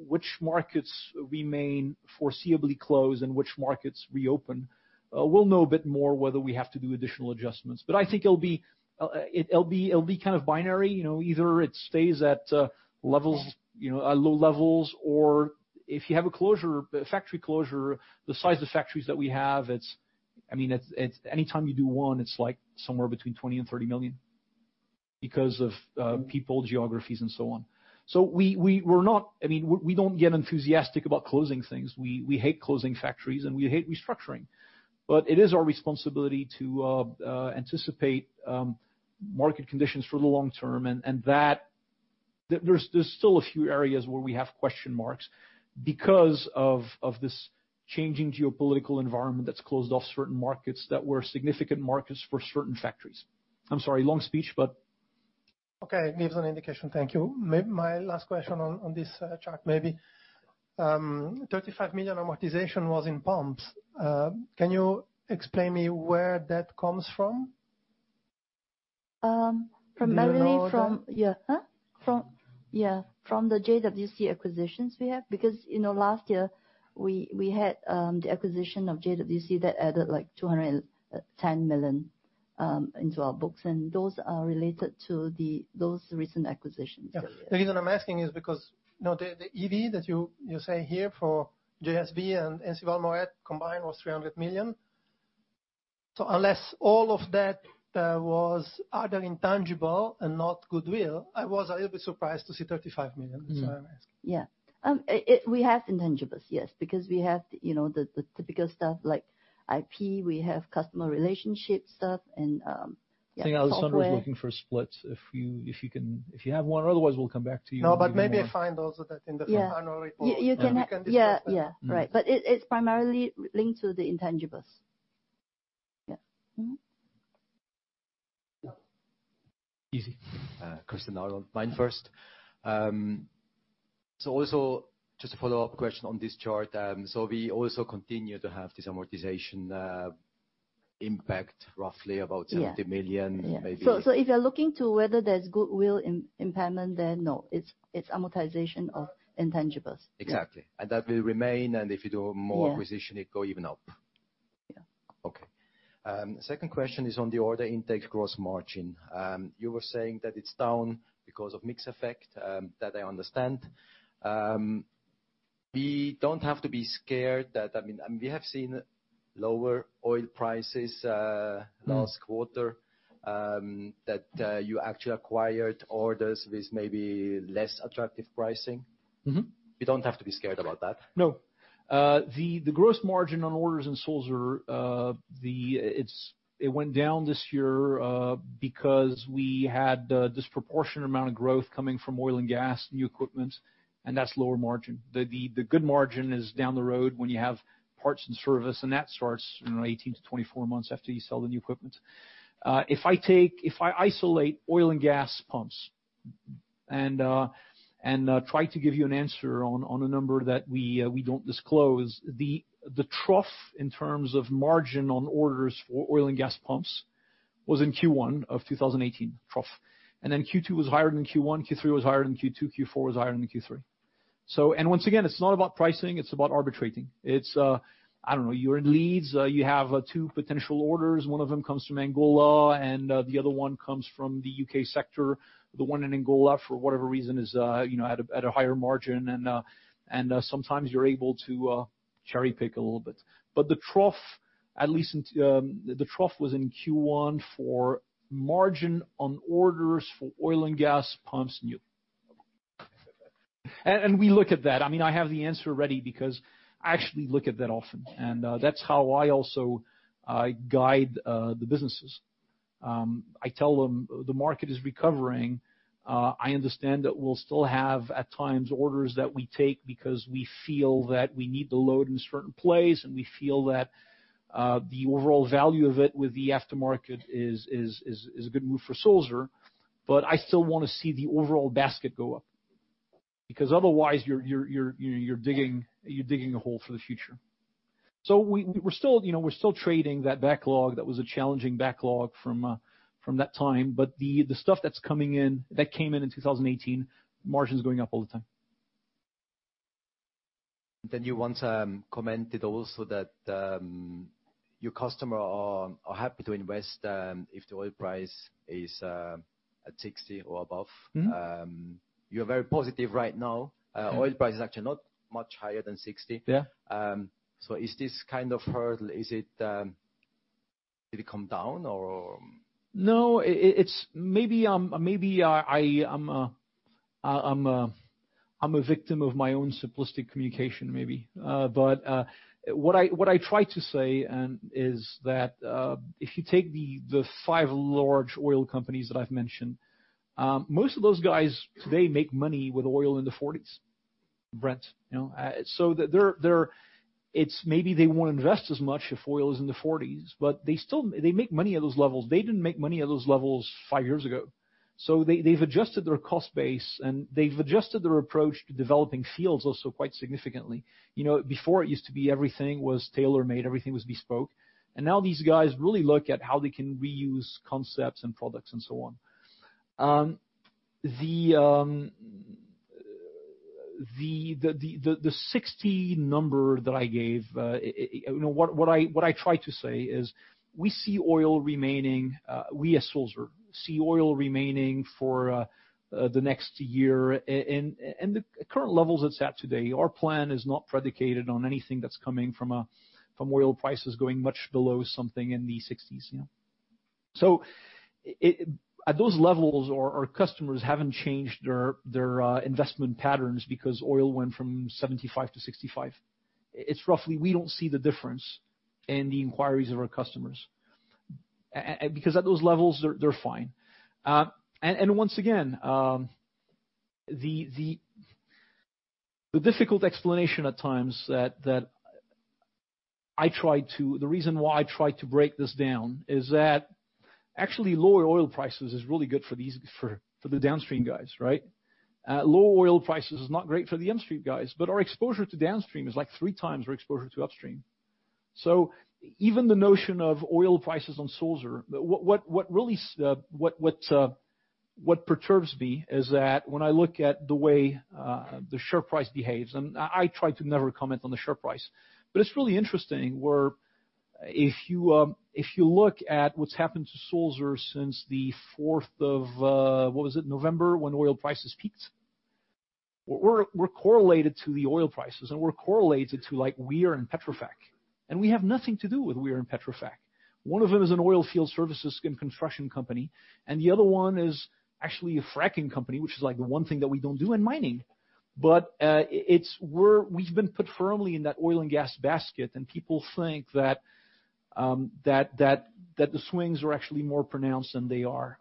which markets remain foreseeably closed and which markets reopen, we'll know a bit more whether we have to do additional adjustments. I think it'll be kind of binary. Either it stays at low levels or if you have a factory closure the size of the factories that we have, it's anytime you do one, it's like somewhere between 20 million and 30 million because of people, geographies and so on. We don't get enthusiastic about closing things. We hate closing factories and we hate restructuring. It is our responsibility to anticipate market conditions for the long term, and there's still a few areas where we have question marks because of this changing geopolitical environment that's closed off certain markets that were significant markets for certain factories. I'm sorry, long speech. Okay. Gives an indication. Thank you. My last question on this chart maybe. 35 million amortization was in Pumps Equipment. Can you explain me where that comes from? Primarily from- Do you know where- Yeah. From the JWC acquisitions we have, because last year we had the acquisition of JWC that added like 210 million into our books. Those are related to those recent acquisitions that we had. Yeah. The reason I'm asking is because the EBIT that you say here for JWC and Ensival Moret combined was 300 million. Unless all of that was either intangible and not goodwill, I was a little bit surprised to see 35 million. That's why I'm asking. Yeah. We have intangibles, yes. Because we have the typical stuff like IP, we have customer relationship stuff, and yeah, software. I think Alessandro was looking for a split, if you have one. Otherwise, we'll come back to you. No, maybe I find also that in the final report. Yeah. We can discuss that. Yeah. Right. It's primarily linked to the intangibles. Yeah. Mm-hmm. Yeah. Easy. Christian Arlt, Main First. Also, just a follow-up question on this chart. We also continue to have this amortization impact roughly about 70 million. Yeah. If you're looking to whether there's goodwill impairment, then no, it's amortization of intangibles. Exactly. That will remain, and if you do. Yeah more acquisition, it go even up. Yeah. Okay. Second question is on the order intake gross margin. You were saying that it's down because of mix effect, that I understand. We don't have to be scared that We have seen lower oil prices. No last quarter, that you actually acquired orders with maybe less attractive pricing. We don't have to be scared about that? No. The gross margin on orders in Sulzer, it went down this year because we had a disproportionate amount of growth coming from oil and gas, new equipment, and that's lower margin. The good margin is down the road when you have parts and service, and that starts 18-24 months after you sell the new equipment. If I isolate oil and gas pumps and try to give you an answer on a number that we don't disclose, the trough, in terms of margin on orders for oil and gas pumps, was in Q1 of 2018. Trough. Q2 was higher than Q1, Q3 was higher than Q2, Q4 was higher than Q3. Once again, it's not about pricing, it's about arbitrating. It's, I don't know, you're in leads, you have two potential orders. One of them comes from Angola and the other one comes from the U.K. sector. The one in Angola, for whatever reason, is at a higher margin and sometimes you're able to cherry-pick a little bit. The trough was in Q1 for margin on orders for oil and gas pumps new. Okay. We look at that. I have the answer ready because I actually look at that often, and that's how I also guide the businesses. I tell them the market is recovering. I understand that we'll still have, at times, orders that we take because we feel that we need the load in a certain place, and we feel that the overall value of it with the aftermarket is a good move for Sulzer. I still want to see the overall basket go up, because otherwise, you're digging a hole for the future. We're still trading that backlog that was a challenging backlog from that time. The stuff that came in in 2018, margin's going up all the time. You once commented also that your customer are happy to invest if the oil price is at 60 or above. You're very positive right now. Oil price is actually not much higher than 60. Yeah. Is this kind of hurdle, did it come down or? No. Maybe I'm a victim of my own simplistic communication, maybe. What I try to say is that, if you take the five large oil companies that I've mentioned, most of those guys today make money with oil in the 40s, Brent. Maybe they won't invest as much if oil is in the 40s, but they make money at those levels. They didn't make money at those levels five years ago. They've adjusted their cost base, and they've adjusted their approach to developing fields also quite significantly. Before it used to be everything was tailor-made, everything was bespoke, and now these guys really look at how they can reuse concepts and products and so on. The 60 number that I gave, what I tried to say is, we see oil remaining, we as Sulzer, see oil remaining for the next year in the current levels it's at today. Our plan is not predicated on anything that's coming from oil prices going much below something in the 60s. At those levels, our customers haven't changed their investment patterns because oil went from 75 to 65. It's roughly we don't see the difference in the inquiries of our customers. Because at those levels, they're fine. Once again, the difficult explanation at times that I try to. The reason why I try to break this down is that actually lower oil prices is really good for the downstream guys, right? Lower oil prices is not great for the upstream guys, but our exposure to downstream is like three times our exposure to upstream. Even the notion of oil prices on Sulzer, what perturbs me is that when I look at the way the share price behaves, I try to never comment on the share price. It's really interesting where if you look at what's happened to Sulzer since the 4th of, what was it? November, when oil prices peaked. We're correlated to the oil prices, and we're correlated to Weir and Petrofac, and we have nothing to do with Weir and Petrofac. One of them is an oil field services and construction company, and the other one is actually a fracking company, which is the one thing that we don't do in mining. We've been put firmly in that oil and gas basket, and people think that the swings are actually more pronounced than they are.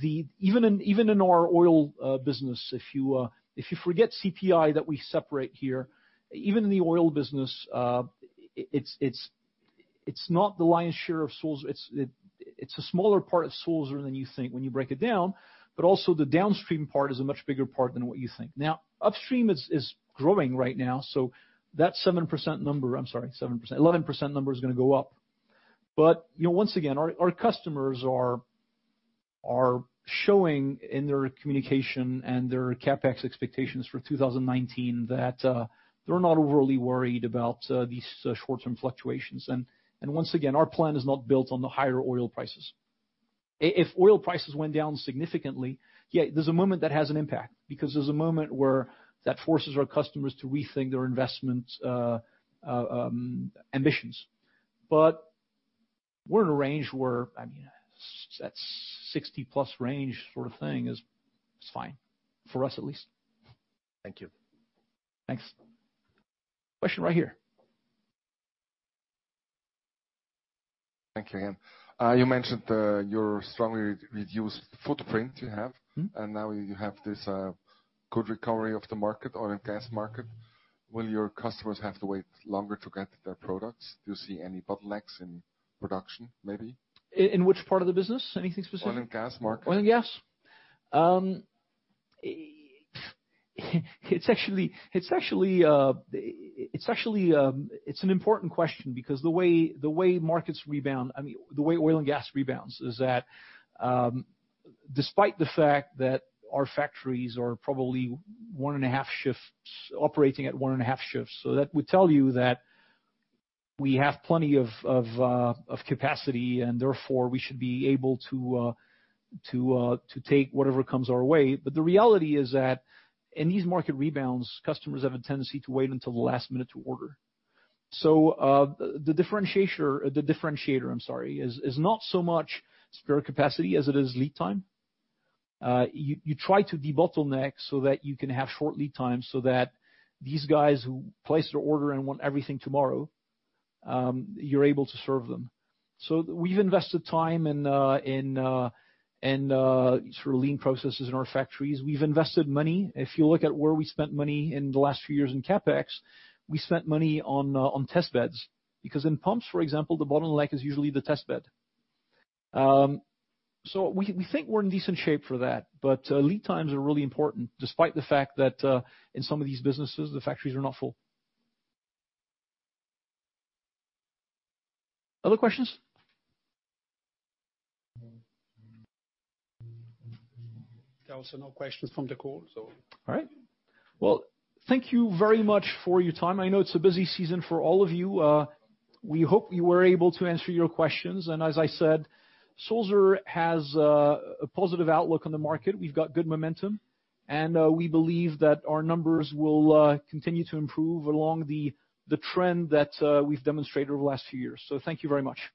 Even in our oil business, if you forget CPI that we separate here, even in the oil business it's not the lion's share of Sulzer. It's a smaller part of Sulzer than you think when you break it down, but also the downstream part is a much bigger part than what you think. Upstream is growing right now, that 11% number is going to go up. Once again, our customers are showing in their communication and their CapEx expectations for 2019 that they're not overly worried about these short-term fluctuations. Once again, our plan is not built on the higher oil prices. If oil prices went down significantly, yeah, there's a moment that has an impact because there's a moment where that forces our customers to rethink their investment ambitions. We're in a range where, that 60-plus range sort of thing is fine. For us, at least. Thank you. Thanks. Question right here. Thank you again. You mentioned your strongly reduced footprint you have. Now you have this good recovery of the market, oil and gas market. Will your customers have to wait longer to get their products? Do you see any bottlenecks in production, maybe? In which part of the business? Anything specific? Oil and gas market. Oil and gas. It's an important question because the way markets rebound, the way oil and gas rebounds is that despite the fact that our factories are probably operating at one and a half shifts. That would tell you that we have plenty of capacity, and therefore, we should be able to take whatever comes our way. The reality is that in these market rebounds, customers have a tendency to wait until the last minute to order. The differentiator is not so much spare capacity as it is lead time. You try to debottleneck so that you can have short lead times so that these guys who place their order and want everything tomorrow, you're able to serve them. We've invested time in lean processes in our factories. We've invested money. If you look at where we spent money in the last few years in CapEx, we spent money on test beds because in pumps, for example, the bottleneck is usually the test bed. We think we're in decent shape for that, lead times are really important, despite the fact that in some of these businesses, the factories are not full. Other questions? There are also no questions from the call. All right. Well, thank you very much for your time. I know it's a busy season for all of you. We hope we were able to answer your questions. As I said, Sulzer has a positive outlook on the market. We've got good momentum, and we believe that our numbers will continue to improve along the trend that we've demonstrated over the last few years. Thank you very much.